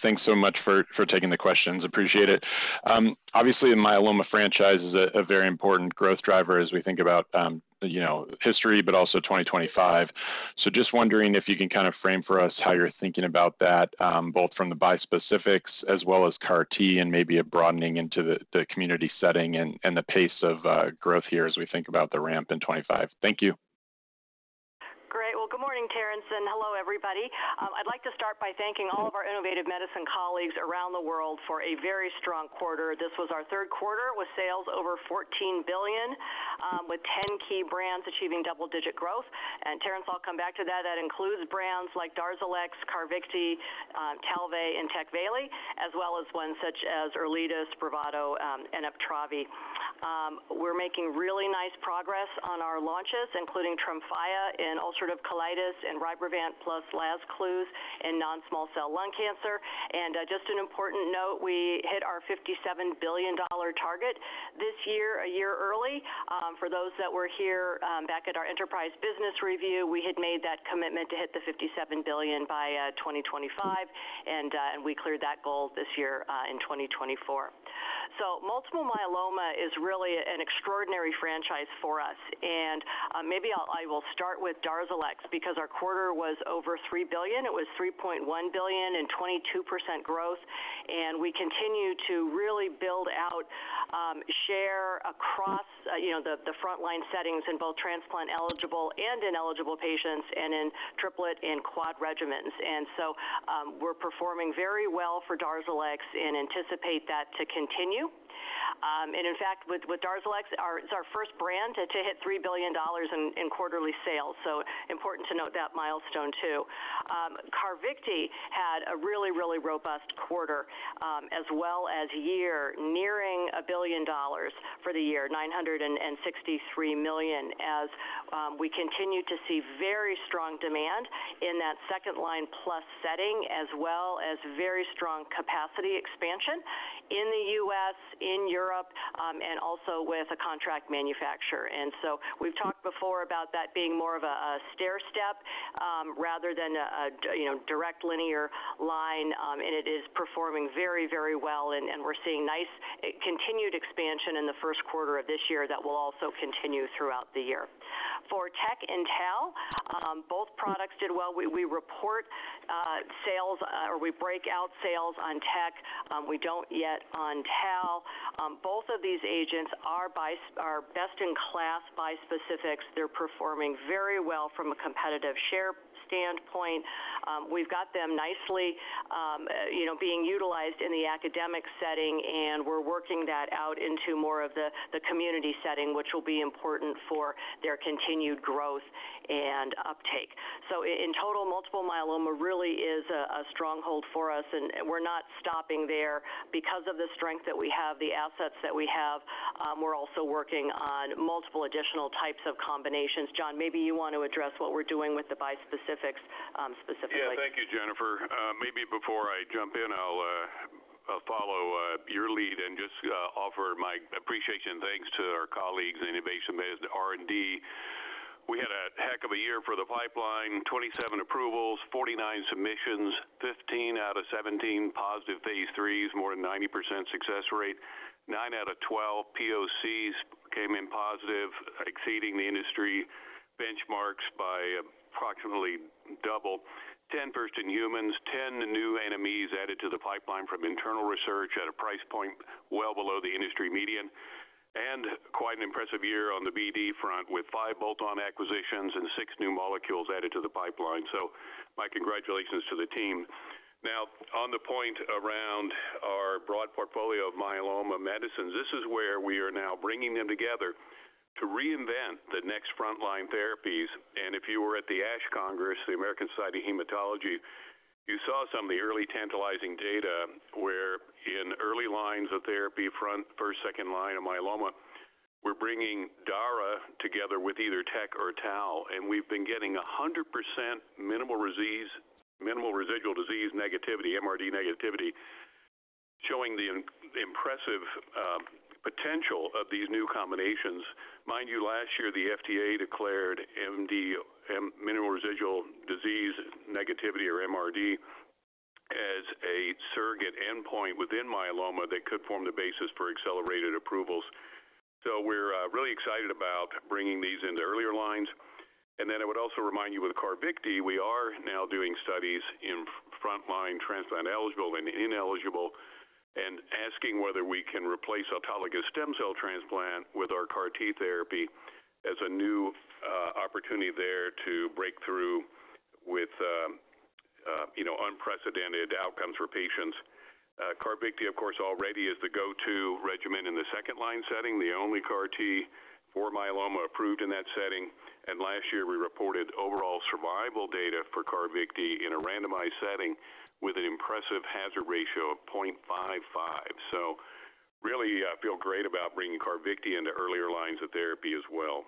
Thanks so much for taking the questions. Appreciate it. Obviously, the Myeloma franchise is a very important growth driver as we think about history, but also 2025. So just wondering if you can kind of frame for us how you're thinking about that, both from the bispecifics as well as CAR-T and maybe a broadening into the community setting and the pace of growth here as we think about the ramp in '25. Thank you.
Great. Well, good morning, Terence, and hello, everybody. I'd like to start by thanking all of our Innovative Medicine colleagues around the world for a very strong quarter. This was our third quarter with sales over $14 billion, with 10 key brands achieving double-digit growth. And Terence, I'll come back to that. That includes brands like Darzalex, Carvykti, Talvey, and Tecvayli, as well as ones such as Erleada, Spravato, and Uptravi. We're making really nice progress on our launches, including Tremfya in ulcerative colitis and Rybrevant plus Lazcluze in non-small cell lung cancer. And just an important note, we hit our $57 billion target this year a year early. For those that were here back at our enterprise business review, we had made that commitment to hit the $57 billion by 2025, and we cleared that goal this year in 2024. So multiple myeloma is really an extraordinary franchise for us. And maybe I will start with Darzalex because our quarter was over $3 billion. It was $3.1 billion and 22% growth. And we continue to really build out share across the frontline settings in both transplant-eligible and ineligible patients and in triplet and quad regimens. And so we're performing very well for Darzalex and anticipate that to continue. In fact, with Darzalex, it's our first brand to hit $3 billion in quarterly sales. So important to note that milestone too. Carvykti had a really, really robust quarter as well as year nearing $1 billion for the year, $963 million, as we continue to see very strong demand in that second line plus setting, as well as very strong capacity expansion in the U.S., in Europe, and also with a contract manufacturer. And so we've talked before about that being more of a stair step rather than a direct linear line. And it is performing very, very well. And we're seeing nice continued expansion in the first quarter of this year that will also continue throughout the year. For Tecvayli and Talvey, both products did well. We report sales or we break out sales on Tecvayli. We don't yet on Talvey. Both of these agents are best-in-class bispecifics. They're performing very well from a competitive share standpoint. We've got them nicely being utilized in the academic setting, and we're working that out into more of the community setting, which will be important for their continued growth and uptake, so in total, multiple myeloma really is a stronghold for us, and we're not stopping there because of the strength that we have, the assets that we have. We're also working on multiple additional types of combinations. John, maybe you want to address what we're doing with the bispecifics specifically. Yeah, thank you, Jennifer. Maybe before I jump in, I'll follow your lead and just offer my appreciation and thanks to our colleagues in innovation-based R&D.
We had a heck of a year for the pipeline: 27 approvals, 49 submissions, 15 out of 17 positive phase threes, more than 90% success rate, nine out of 12 POCs came in positive, exceeding the industry benchmarks by approximately double, 10 first in humans, 10 new NMEs added to the pipeline from internal research at a price point well below the industry median, and quite an impressive year on the BD front with five bolt-on acquisitions and six new molecules added to the pipeline. So my congratulations to the team. Now, on the point around our broad portfolio of myeloma medicines, this is where we are now bringing them together to reinvent the next frontline therapies. If you were at the ASH Congress, the American Society of Hematology, you saw some of the early tantalizing data where in early lines of therapy, front, first, second line of myeloma, we're bringing Dara together with either Tecvayli or Talvey. We've been getting 100% minimal residual disease negativity, MRD negativity, showing the impressive potential of these new combinations. Mind you, last year, the FDA declared minimal residual disease negativity or MRD as a surrogate endpoint within myeloma that could form the basis for accelerated approvals. We're really excited about bringing these into earlier lines. I would also remind you with Carvykti, we are now doing studies in frontline transplant-eligible and ineligible and asking whether we can replace autologous stem cell transplant with our CAR-T therapy as a new opportunity there to break through with unprecedented outcomes for patients. Carvykti, of course, already is the go-to regimen in the second line setting, the only CAR-T for myeloma approved in that setting, and last year, we reported overall survival data for Carvykti in a randomized setting with an impressive hazard ratio of 0.55, so really, I feel great about bringing Carvykti into earlier lines of therapy as well.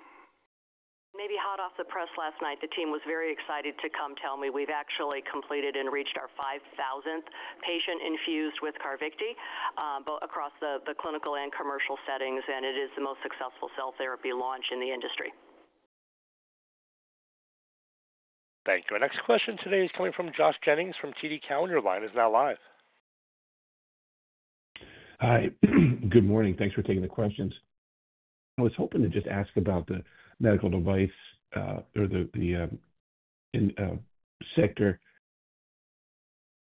Maybe hot off the press last night, the team was very excited to come tell me we've actually completed and reached our 5,000th patient infused with Carvykti both across the clinical and commercial settings, and it is the most successful cell therapy launch in the industry.
Thank you. Our next question today is coming from Josh Jennings from TD Cowen. He's now live.
Hi. Good morning. Thanks for taking the questions. I was hoping to just ask about the medical device or the sector,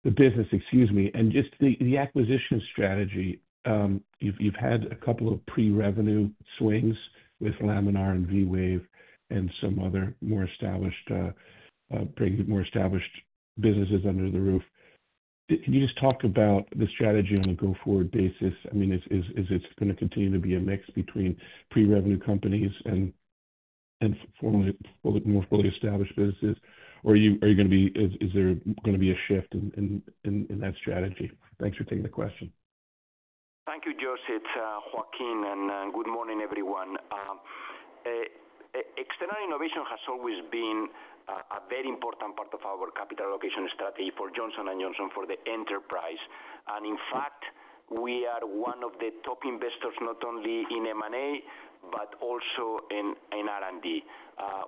the business, excuse me, and just the acquisition strategy. You've had a couple of pre-revenue swings with Laminar and V-Wave and some other more established businesses under the roof. Can you just talk about the strategy on a go-forward basis? I mean, is it going to continue to be a mix between pre-revenue companies and more fully established businesses, or is there going to be a shift in that strategy? Thanks for taking the question.
Thank you, Josh. It's Joaquin, and good morning, everyone. External innovation has always been a very important part of our capital allocation strategy for Johnson & Johnson for the enterprise. And in fact, we are one of the top investors not only in M&A but also in R&D.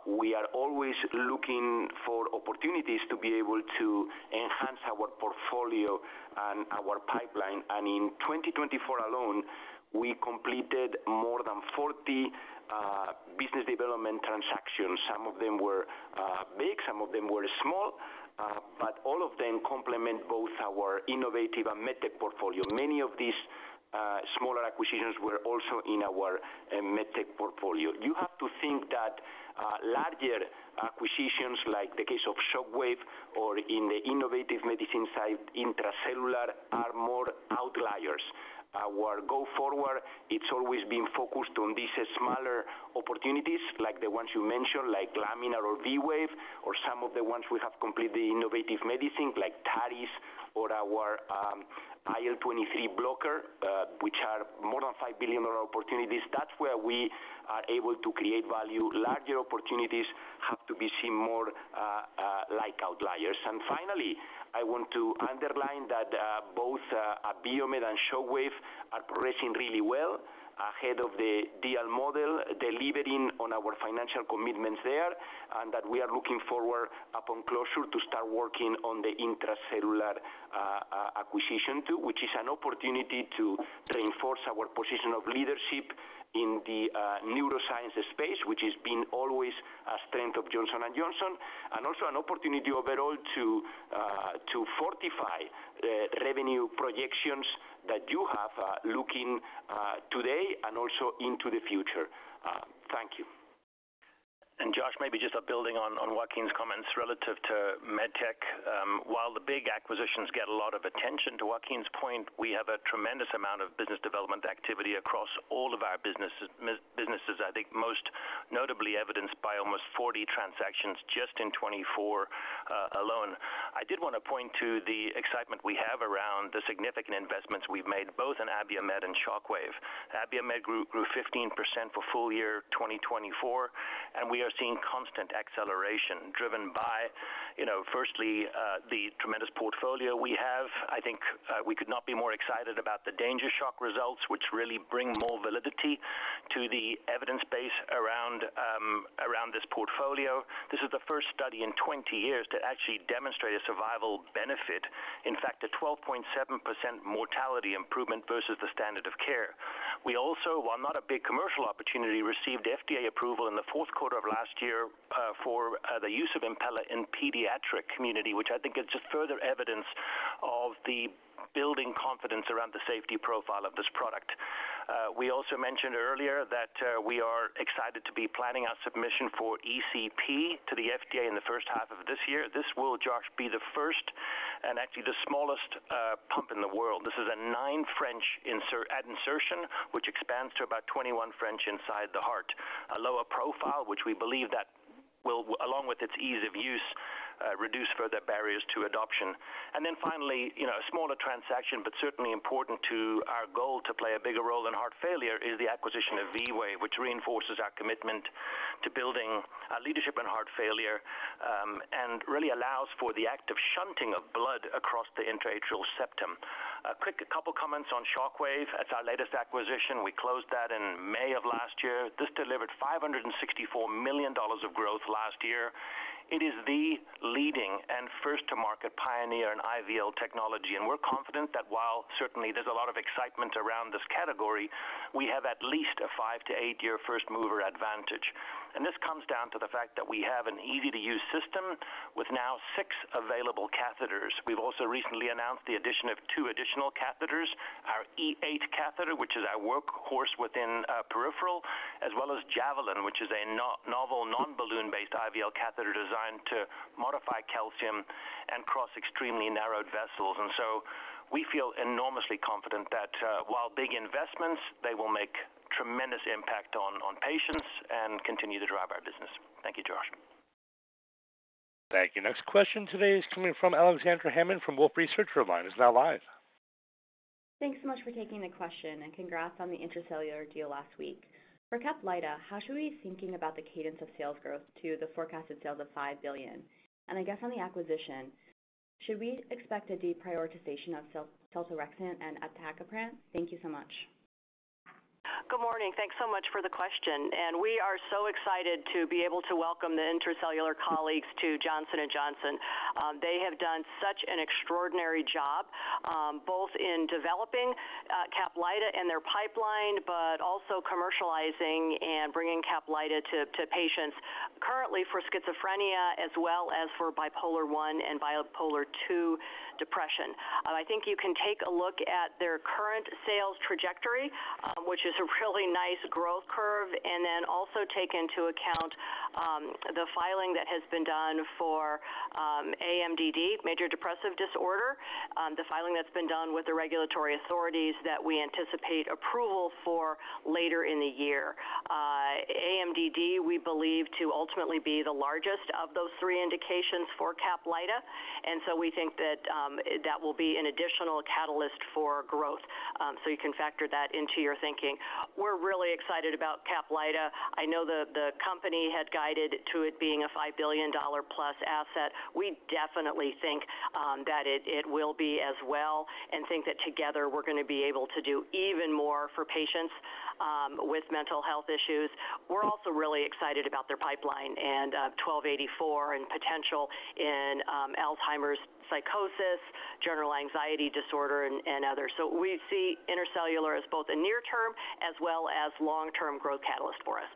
We are always looking for opportunities to be able to enhance our portfolio and our pipeline. And in 2024 alone, we completed more than 40 business development transactions. Some of them were big, some of them were small, but all of them complement both our innovative and MedTech portfolio. Many of these smaller acquisitions were also in our MedTech portfolio. You have to think that larger acquisitions like the case of Shockwave or in the Innovative Medicine side, intracellular, are more outliers. Our go-forward, it's always been focused on these smaller opportunities like the ones you mentioned, like Laminar or V-Wave, or some of the ones we have completed in Innovative Medicine like Taris or our IL-23 blocker, which are more than $5 billion opportunities. That's where we are able to create value. Larger opportunities have to be seen more like outliers. Finally, I want to underline that both Abiomed and Shockwave are progressing really well ahead of the deal model, delivering on our financial commitments there, and that we are looking forward upon closure to start working on the Intra-Cellular acquisition, which is an opportunity to reinforce our position of leadership in the neuroscience space, which has been always a strength of Johnson & Johnson, and also an opportunity overall to fortify the revenue projections that you have looking today and also into the future. Thank you.
Josh, maybe just building on Joaquin's comments relative to MedTech. While the big acquisitions get a lot of attention, to Joaquin's point, we have a tremendous amount of business development activity across all of our businesses. I think most notably evidenced by almost 40 transactions just in 2024 alone. I did want to point to the excitement we have around the significant investments we've made both in Abiomed and Shockwave. Abiomed grew 15% for full year 2024, and we are seeing constant acceleration driven by, firstly, the tremendous portfolio we have. I think we could not be more excited about the DanGer Shock results, which really bring more validity to the evidence base around this portfolio. This is the first study in 20 years to actually demonstrate a survival benefit, in fact, a 12.7% mortality improvement versus the standard of care. We also, while not a big commercial opportunity, received FDA approval in the fourth quarter of last year for the use of Impella in the pediatric community, which I think is just further evidence of the building confidence around the safety profile of this product. We also mentioned earlier that we are excited to be planning our submission for ECP to the FDA in the first half of this year. This will, Josh, be the first and actually the smallest pump in the world. This is a 9 French insertion, which expands to about 21 French inside the heart, a lower profile, which we believe that will, along with its ease of use, reduce further barriers to adoption. And then finally, a smaller transaction, but certainly important to our goal to play a bigger role in heart failure, is the acquisition of V-Wave, which reinforces our commitment to building leadership in heart failure and really allows for the active shunting of blood across the intra-atrial septum. A quick couple of comments on Shockwave. It's our latest acquisition. We closed that in May of last year. This delivered $564 million of growth last year. It is the leading and first-to-market pioneer in IVL technology. And we're confident that while certainly there's a lot of excitement around this category, we have at least a five- to eight-year first-mover advantage. And this comes down to the fact that we have an easy-to-use system with now six available catheters. We've also recently announced the addition of two additional catheters, our E8 catheter, which is our workhorse within peripheral, as well as Javelin, which is a novel non-balloon-based IVL catheter designed to modify calcium and cross extremely narrowed vessels. And so we feel enormously confident that while big investments, they will make a tremendous impact on patients and continue to drive our business. Thank you, Josh.
Thank you. Next question today is coming from Alexandria Hammond from Wolfe Research. Your line is now live.
Thanks so much for taking the question and congrats on the Intra-Cellular deal last week. For Caplyta, how should we be thinking about the cadence of sales growth to the forecasted sales of $5 billion? And I guess on the acquisition, should we expect a deprioritization of Seltorexant and Aticaprant? Thank you so much.
Good morning. Thanks so much for the question. We are so excited to be able to welcome the Intra-Cellular colleagues to Johnson & Johnson. They have done such an extraordinary job both in developing Caplyta and their pipeline, but also commercializing and bringing Caplyta to patients currently for schizophrenia as well as for bipolar I and bipolar II depression. I think you can take a look at their current sales trajectory, which is a really nice growth curve, and then also take into account the filing that has been done for MDD, major depressive disorder. The filing that's been done with the regulatory authorities that we anticipate approval for later in the year. MDD, we believe, to ultimately be the largest of those three indications for Caplyta. And so we think that that will be an additional catalyst for growth. So you can factor that into your thinking. We're really excited about Caplyta. I know the company had guided to it being a $5 billion-plus asset. We definitely think that it will be as well and think that together we're going to be able to do even more for patients with mental health issues. We're also really excited about their pipeline and 1284 and potential in Alzheimer's psychosis, Generalized Anxiety Disorder, and others. So we see Intra-Cellular as both a near-term as well as long-term growth catalyst for us.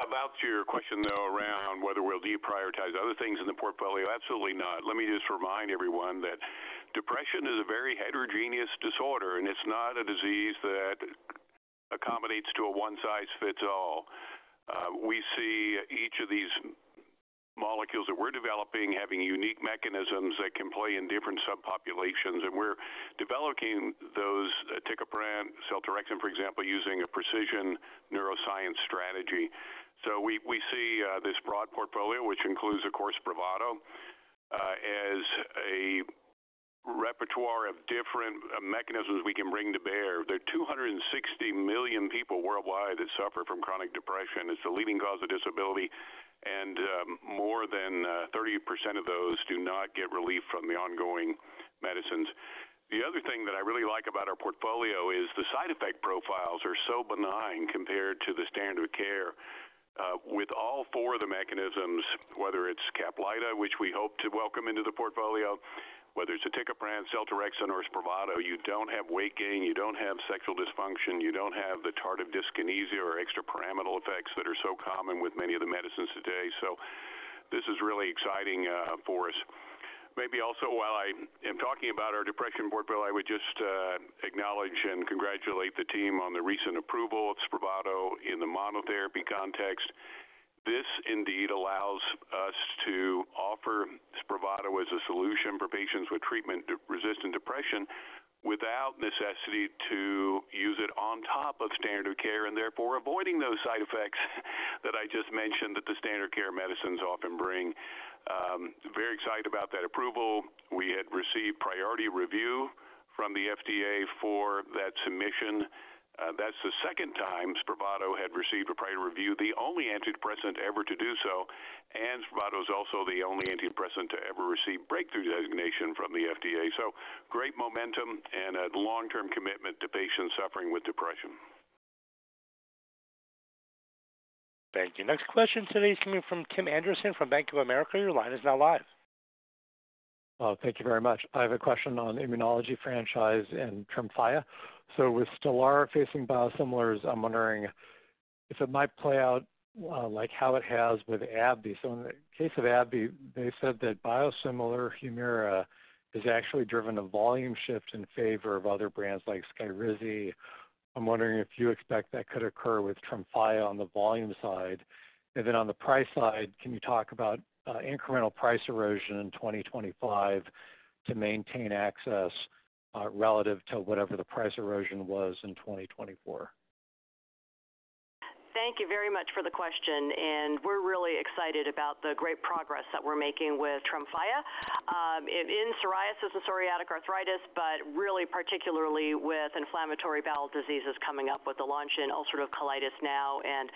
About your question, though, around whether we'll deprioritize other things in the portfolio, absolutely not. Let me just remind everyone that depression is a very heterogeneous disorder, and it's not a disease that accommodates to a one-size-fits-all. We see each of these molecules that we're developing having unique mechanisms that can play in different subpopulations. And we're developing those Aticaprant, Seltorexant, for example, using a precision neuroscience strategy. So we see this broad portfolio, which includes, of course, Spravato as a repertoire of different mechanisms we can bring to bear. There are 260 million people worldwide that suffer from chronic depression. It's the leading cause of disability. And more than 30% of those do not get relief from the ongoing medicines. The other thing that I really like about our portfolio is the side effect profiles are so benign compared to the standard of care. With all four of the mechanisms, whether it's Caplyta, which we hope to welcome into the portfolio, whether it's Aticaprant, Seltorexant, or Spravato, you don't have weight gain. You don't have sexual dysfunction. You don't have the tardive dyskinesia or extrapyramidal effects that are so common with many of the medicines today. So this is really exciting for us. Maybe also, while I am talking about our depression portfolio, I would just acknowledge and congratulate the team on the recent approval of Spravato in the monotherapy context. This, indeed, allows us to offer Spravato as a solution for patients with treatment-resistant depression without necessity to use it on top of standard of care and therefore avoiding those side effects that I just mentioned that the standard of care medicines often bring. Very excited about that approval. We had received priority review from the FDA for that submission. That's the second time Spravato had received a priority review, the only antidepressant ever to do so. And Spravato is also the only antidepressant to ever receive breakthrough designation from the FDA. So great momentum and a long-term commitment to patients suffering with depression.
Thank you. Next question today is coming from Tim Anderson from Bank of America. Your line is now live.
Thank you very much. I have a question on the Immunology franchise and Tremfya. With Stelara facing biosimilars, I'm wondering if it might play out like how it has with AbbVie. In the case of AbbVie, they said that biosimilar Humira is actually driven a volume shift in favor of other brands like Skyrizi. I'm wondering if you expect that could occur with Tremfya on the volume side. And then on the price side, can you talk about incremental price erosion in 2025 to maintain access relative to whatever the price erosion was in 2024?
Thank you very much for the question. We're really excited about the great progress that we're making with Tremfya in psoriasis and psoriatic arthritis, but really particularly with inflammatory bowel diseases coming up with the launch in ulcerative colitis now and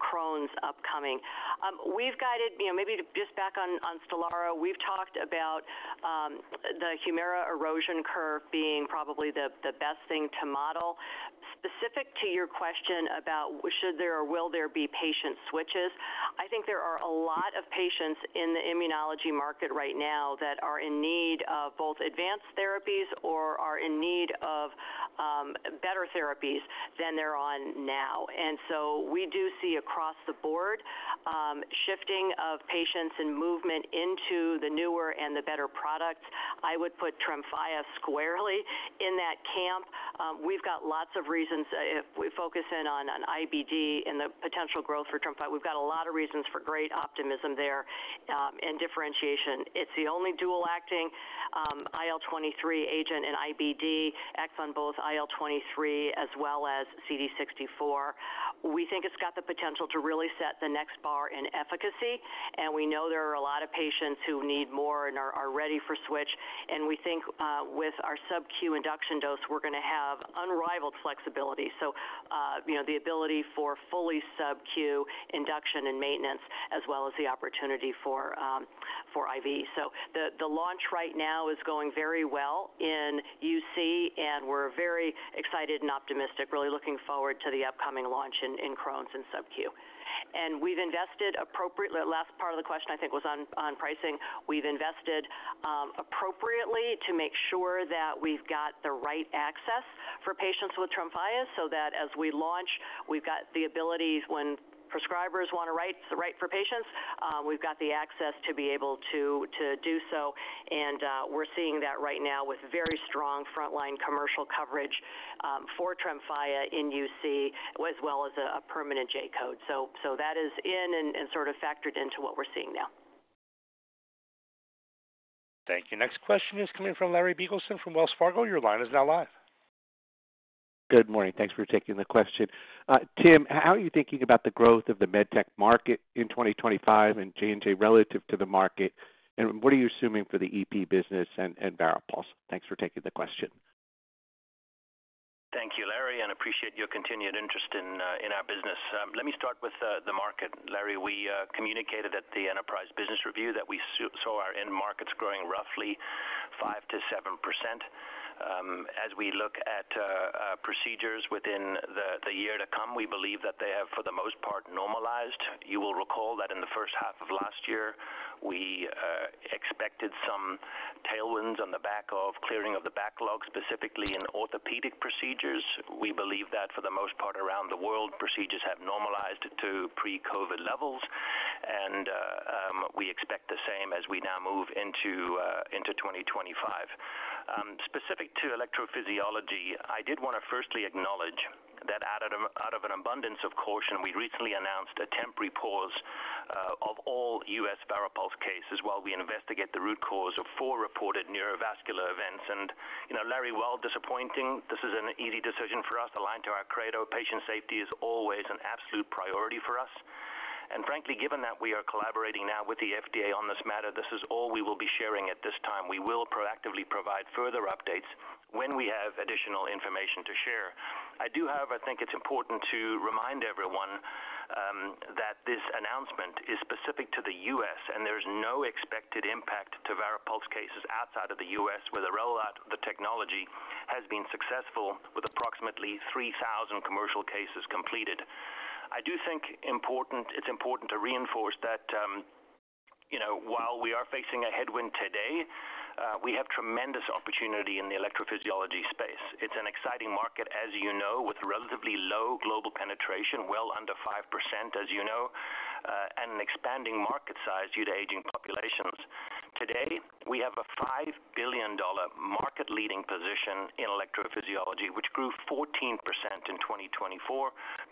Crohn's upcoming. We've guided; maybe just back on Stelara, we've talked about the Humira erosion curve being probably the best thing to model. Specific to your question about should there or will there be patient switches, I think there are a lot of patients in the immunology market right now that are in need of both advanced therapies or are in need of better therapies than they're on now. And so we do see across the board shifting of patients and movement into the newer and the better products. I would put Tremfya squarely in that camp. We've got lots of reasons. If we focus in on IBD and the potential growth for Tremfya, we've got a lot of reasons for great optimism there and differentiation. It's the only dual-acting IL-23 agent in IBD, acts on both IL-23 as well as CD64. We think it's got the potential to really set the next bar in efficacy. And we know there are a lot of patients who need more and are ready for switch. And we think with our sub-Q induction dose, we're going to have unrivaled flexibility. So the ability for fully sub-Q induction and maintenance as well as the opportunity for IV. So the launch right now is going very well in UC, and we're very excited and optimistic, really looking forward to the upcoming launch in Crohn's and sub-Q. And we've invested appropriately. Last part of the question, I think, was on pricing. We've invested appropriately to make sure that we've got the right access for patients with Tremfya so that as we launch, we've got the ability when prescribers want to write for patients, we've got the access to be able to do so. And we're seeing that right now with very strong frontline commercial coverage for Tremfya in UC as well as a permanent J code. So that is in and sort of factored into what we're seeing now.
Thank you. Next question is coming from Larry Biegelsen from Wells Fargo. Your line is now live.
Good morning. Thanks for taking the question. Tim, how are you thinking about the growth of the MedTech market in 2025 and J&J relative to the market? And what are you assuming for the EP business and VARIPULSE? Thanks for taking the question.
Thank you, Larry, and appreciate your continued interest in our business. Let me start with the market. Larry, we communicated at the enterprise business review that we saw our end markets growing roughly 5%-7%. As we look at procedures within the year to come, we believe that they have, for the most part, normalized. You will recall that in the first half of last year, we expected some tailwinds on the back of clearing of the backlog, specifically in orthopedic procedures. We believe that, for the most part, around the world, procedures have normalized to pre-COVID levels. And we expect the same as we now move into 2025. Specific to electrophysiology, I did want to firstly acknowledge that out of an abundance of caution, we recently announced a temporary pause of all US VARIPULSE cases while we investigate the root cause of four reported neurovascular events. And Larry, while disappointing, this is an easy decision for us aligned to our Credo. Patient safety is always an absolute priority for us. And frankly, given that we are collaborating now with the FDA on this matter, this is all we will be sharing at this time. We will proactively provide further updates when we have additional information to share. I do, however, think it's important to remind everyone that this announcement is specific to the U.S., and there is no expected impact to VARIPULSE cases outside of the U.S. where the rollout of the technology has been successful with approximately 3,000 commercial cases completed. I do think it's important to reinforce that while we are facing a headwind today, we have tremendous opportunity in the electrophysiology space. It's an exciting market, as you know, with relatively low global penetration, well under 5%, as you know, and an expanding market size due to aging populations. Today, we have a $5 billion market-leading position in electrophysiology, which grew 14% in 2024,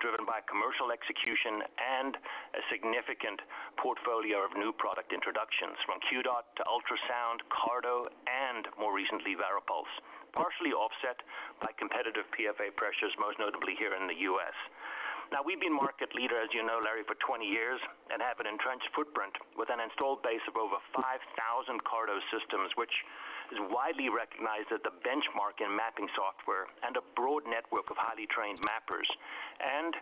driven by commercial execution and a significant portfolio of new product introductions from QDOT to ultrasound, CARTO, and more recently, VARIPULSE, partially offset by competitive PFA pressures, most notably here in the U.S. Now, we've been market leader, as you know, Larry, for 20 years and have an entrenched footprint with an installed base of over 5,000 CARTO systems, which is widely recognized as the benchmark in mapping software and a broad network of highly trained mappers. And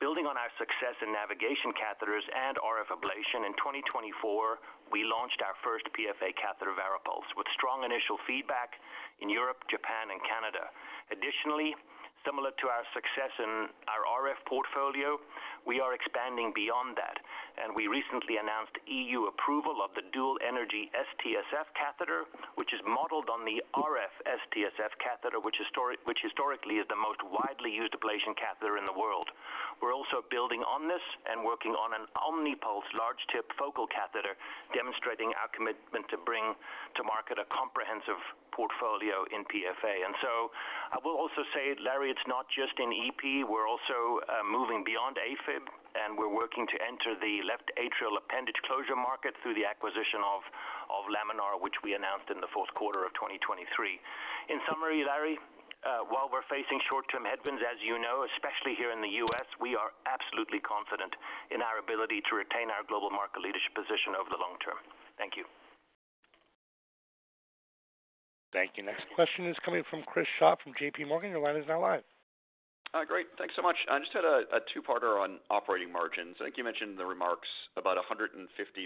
building on our success in navigation catheters and RF ablation, in 2024, we launched our first PFA catheter, VARIPULSE, with strong initial feedback in Europe, Japan, and Canada. Additionally, similar to our success in our RF portfolio, we are expanding beyond that. And we recently announced EU approval of the dual-energy SF catheter, which is modeled on the RF SF catheter, which historically is the most widely used ablation catheter in the world. We're also building on this and working on an OMNIPULSE large-tip focal catheter, demonstrating our commitment to bring to market a comprehensive portfolio in PFA. And so I will also say, Larry, it's not just in EP. We're also moving beyond AFib, and we're working to enter the left atrial appendage closure market through the acquisition of Laminar, which we announced in the fourth quarter of 2023. In summary, Larry, while we're facing short-term headwinds, as you know, especially here in the U.S., we are absolutely confident in our ability to retain our global market leadership position over the long term. Thank you.
Thank you. Next question is coming from Chris Schott from JPMorgan. Your line is now live.
Great. Thanks so much. I just had a two-parter on operating margins. I think you mentioned in the remarks about 150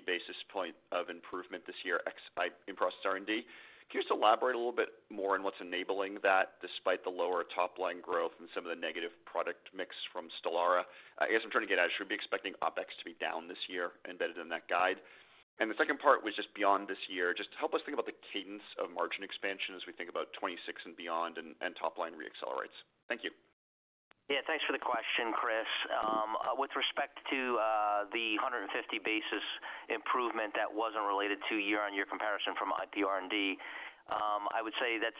basis points of improvement this year in R&D. Can you just elaborate a little bit more on what's enabling that despite the lower top-line growth and some of the negative product mix from Stelara? I guess I'm trying to get at it. Should we be expecting OpEx to be down this year embedded in that guide? And the second part was just beyond this year. Just help us think about the cadence of margin expansion as we think about 2026 and beyond and top-line re-accelerates. Thank you.
Yeah. Thanks for the question, Chris. With respect to the 150 basis points improvement that wasn't related to year-on-year comparison from IPR&D, I would say that's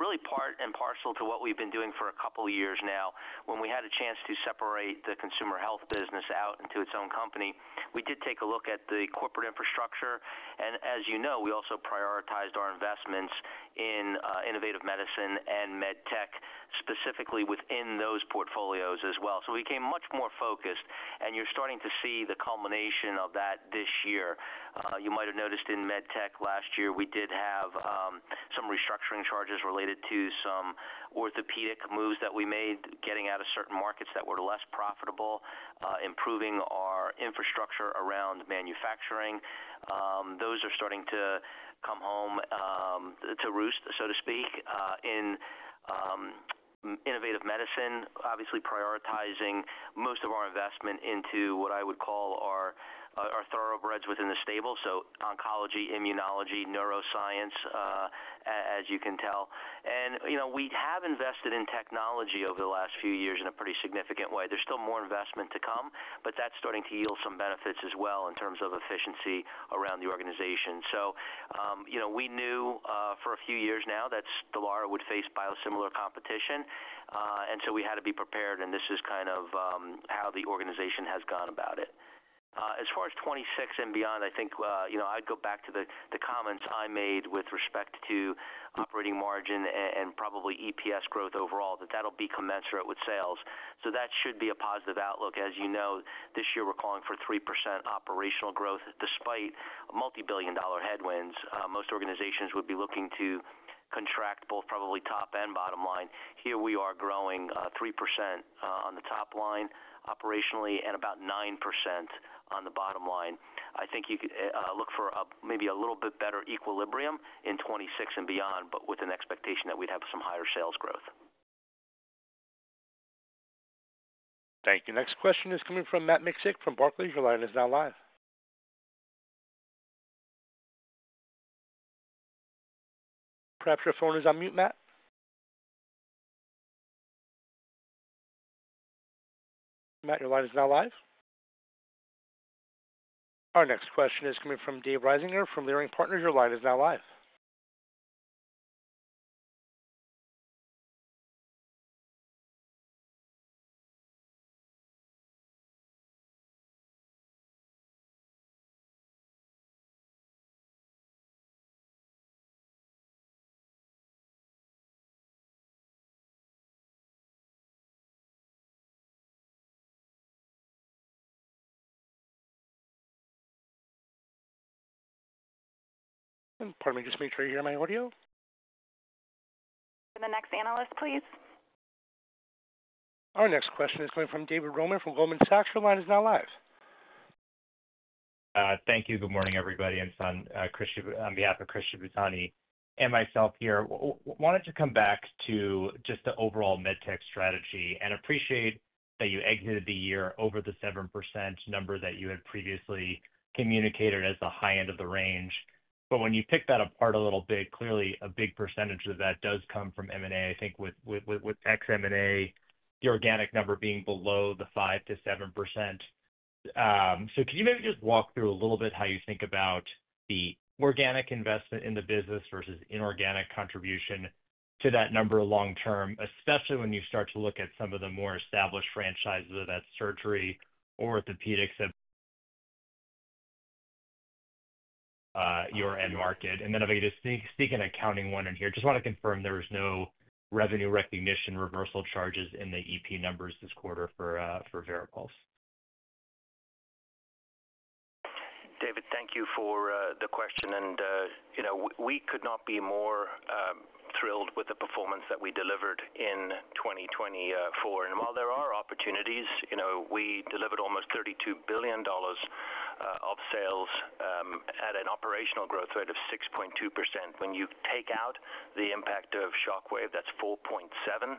really part and parcel to what we've been doing for a couple of years now. When we had a chance to separate the consumer health business out into its own company, we did take a look at the corporate infrastructure. And as you know, we also prioritized our investments in Innovative Medicine and MedTech, specifically within those portfolios as well. So we became much more focused. And you're starting to see the culmination of that this year. You might have noticed in MedTech last year, we did have some restructuring charges related to some orthopedic moves that we made getting out of certain markets that were less profitable, improving our infrastructure around manufacturing. Those are starting to come home to roost, so to speak, in Innovative Medicine, obviously prioritizing most of our investment into what I would call our thoroughbreds within the stable. So oncology, immunology, neuroscience, as you can tell. And we have invested in technology over the last few years in a pretty significant way. There's still more investment to come, but that's starting to yield some benefits as well in terms of efficiency around the organization. So we knew for a few years now that Stelara would face biosimilar competition. And so we had to be prepared. This is kind of how the organization has gone about it. As far as 2026 and beyond, I think I'd go back to the comments I made with respect to operating margin and probably EPS growth overall, that that'll be commensurate with sales. So that should be a positive outlook. As you know, this year, we're calling for 3% operational growth despite multi-billion-dollar headwinds. Most organizations would be looking to contract both probably top and bottom line. Here we are growing 3% on the top line operationally and about 9% on the bottom line. I think you could look for maybe a little bit better equilibrium in 2026 and beyond, but with an expectation that we'd have some higher sales growth.
Thank you. Next question is coming from Matt Miksic from Barclays. Your line is now live. Perhaps your phone is on mute, Matt. Matt, your line is now live. Our next question is coming from David Risinger from Leerink Partners. Your line is now live. Pardon me, just make sure you hear my audio. For the next analyst, please. Our next question is coming from David Roman from Goldman Sachs. Your line is now live. Thank you. Good morning, everybody, and on behalf of Chris Shibutani and myself here, wanted to come back to just the overall MedTech strategy and appreciate that you exited the year over the 7% number that you had previously communicated as the high end of the range. But when you pick that apart a little bit, clearly a big percentage of that does come from M&A, I think, with ex-M&A, the organic number being below the 5%-7%. So can you maybe just walk through a little bit how you think about the organic investment in the business versus inorganic contribution to that number long-term, especially when you start to look at some of the more established franchises, whether that's surgery or orthopedics at your end market? And then if I could just sneak in an accounting one in here, just want to confirm there was no revenue recognition reversal charges in the EP numbers this quarter for VARIPULSE.
David, thank you for the question. And we could not be more thrilled with the performance that we delivered in 2024. And while there are opportunities, we delivered almost $32 billion of sales at an operational growth rate of 6.2%. When you take out the impact of Shockwave, that's 4.7%.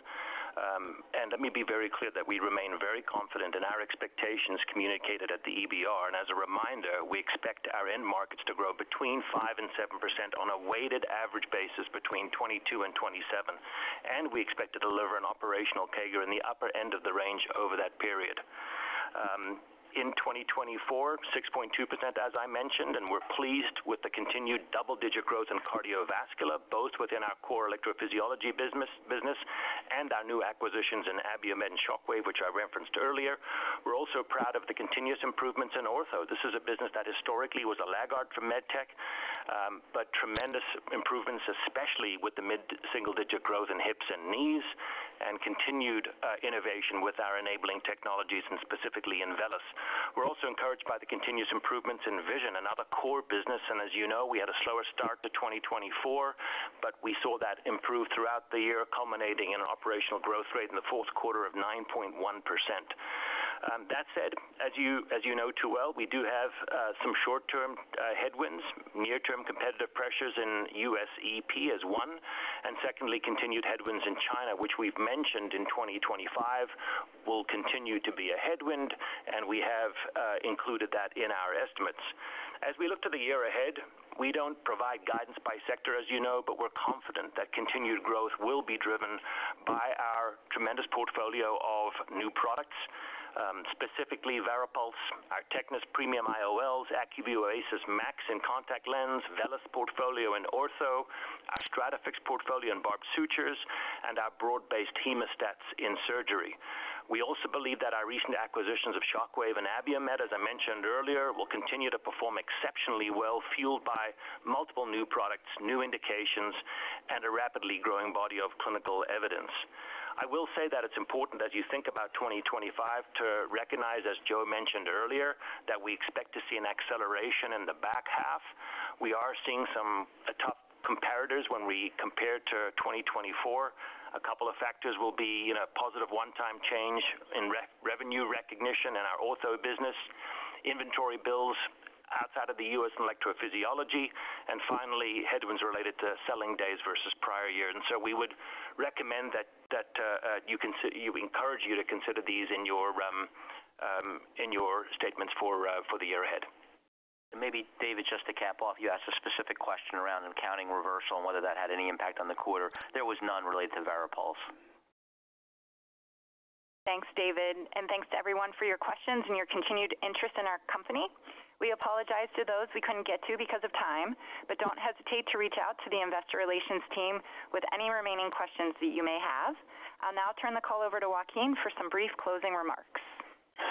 And let me be very clear that we remain very confident in our expectations communicated at the EBR. And as a reminder, we expect our end markets to grow between 5% and 7% on a weighted average basis between 2022 and 2027. And we expect to deliver an operational CAGR in the upper end of the range over that period. In 2024, 6.2%, as I mentioned, and we're pleased with the continued double-digit growth in cardiovascular, both within our core electrophysiology business and our new acquisitions in Abiomed and Shockwave, which I referenced earlier. We're also proud of the continuous improvements in ortho. This is a business that historically was a laggard for MedTech, but tremendous improvements, especially with the mid-single-digit growth in hips and knees and continued innovation with our enabling technologies and specifically in VELYS. We're also encouraged by the continuous improvements in vision and other core business. As you know, we had a slower start to 2024, but we saw that improve throughout the year, culminating in an operational growth rate in the fourth quarter of 9.1%. That said, as you know too well, we do have some short-term headwinds, near-term competitive pressures in U.S. EP as one, and secondly, continued headwinds in China, which we've mentioned, in 2025 will continue to be a headwind. We have included that in our estimates. As we look to the year ahead, we don't provide guidance by sector, as you know, but we're confident that continued growth will be driven by our tremendous portfolio of new products, specifically VARIPULSE, our TECNIS Premium IOLs, Acuvue Oasys Max and Contact Lens, VELYS portfolio in ortho. Our STRATAFIX portfolio in barbed sutures and our broad-based hemostats in surgery. We also believe that our recent acquisitions of Shockwave and Abiomed, as I mentioned earlier, will continue to perform exceptionally well, fueled by multiple new products, new indications, and a rapidly growing body of clinical evidence. I will say that it's important, as you think about 2025, to recognize, as Joe mentioned earlier, that we expect to see an acceleration in the back half. We are seeing some tough comps when we compare to 2024. A couple of factors will be a positive one-time change in revenue recognition in our ortho business, inventory builds outside of the U.S. in electrophysiology, and finally, headwinds related to selling days versus prior year. And so we would recommend and encourage you to consider these in your estimates for the year ahead. And maybe, David, just to cap off, you asked a specific question around accounting reversal and whether that had any impact on the quarter. There was none related to VARIPULSE.
Thanks, David. And thanks to everyone for your questions and your continued interest in our company. We apologize to those we couldn't get to because of time, but don't hesitate to reach out to the investor relations team with any remaining questions that you may have. I'll now turn the call over to Joaquin for some brief closing remarks.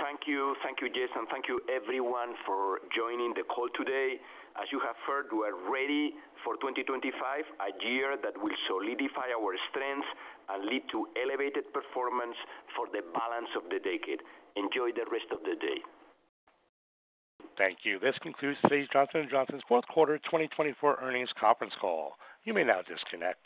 Thank you. Thank you, Joe. Thank you, everyone, for joining the call today. As you have heard, we're ready for 2025, a year that will solidify our strengths and lead to elevated performance for the balance of the decade. Enjoy the rest of the day.
Thank you. This concludes today's Johnson & Johnson's Fourth Quarter 2024 Earnings Conference Call. You may now disconnect.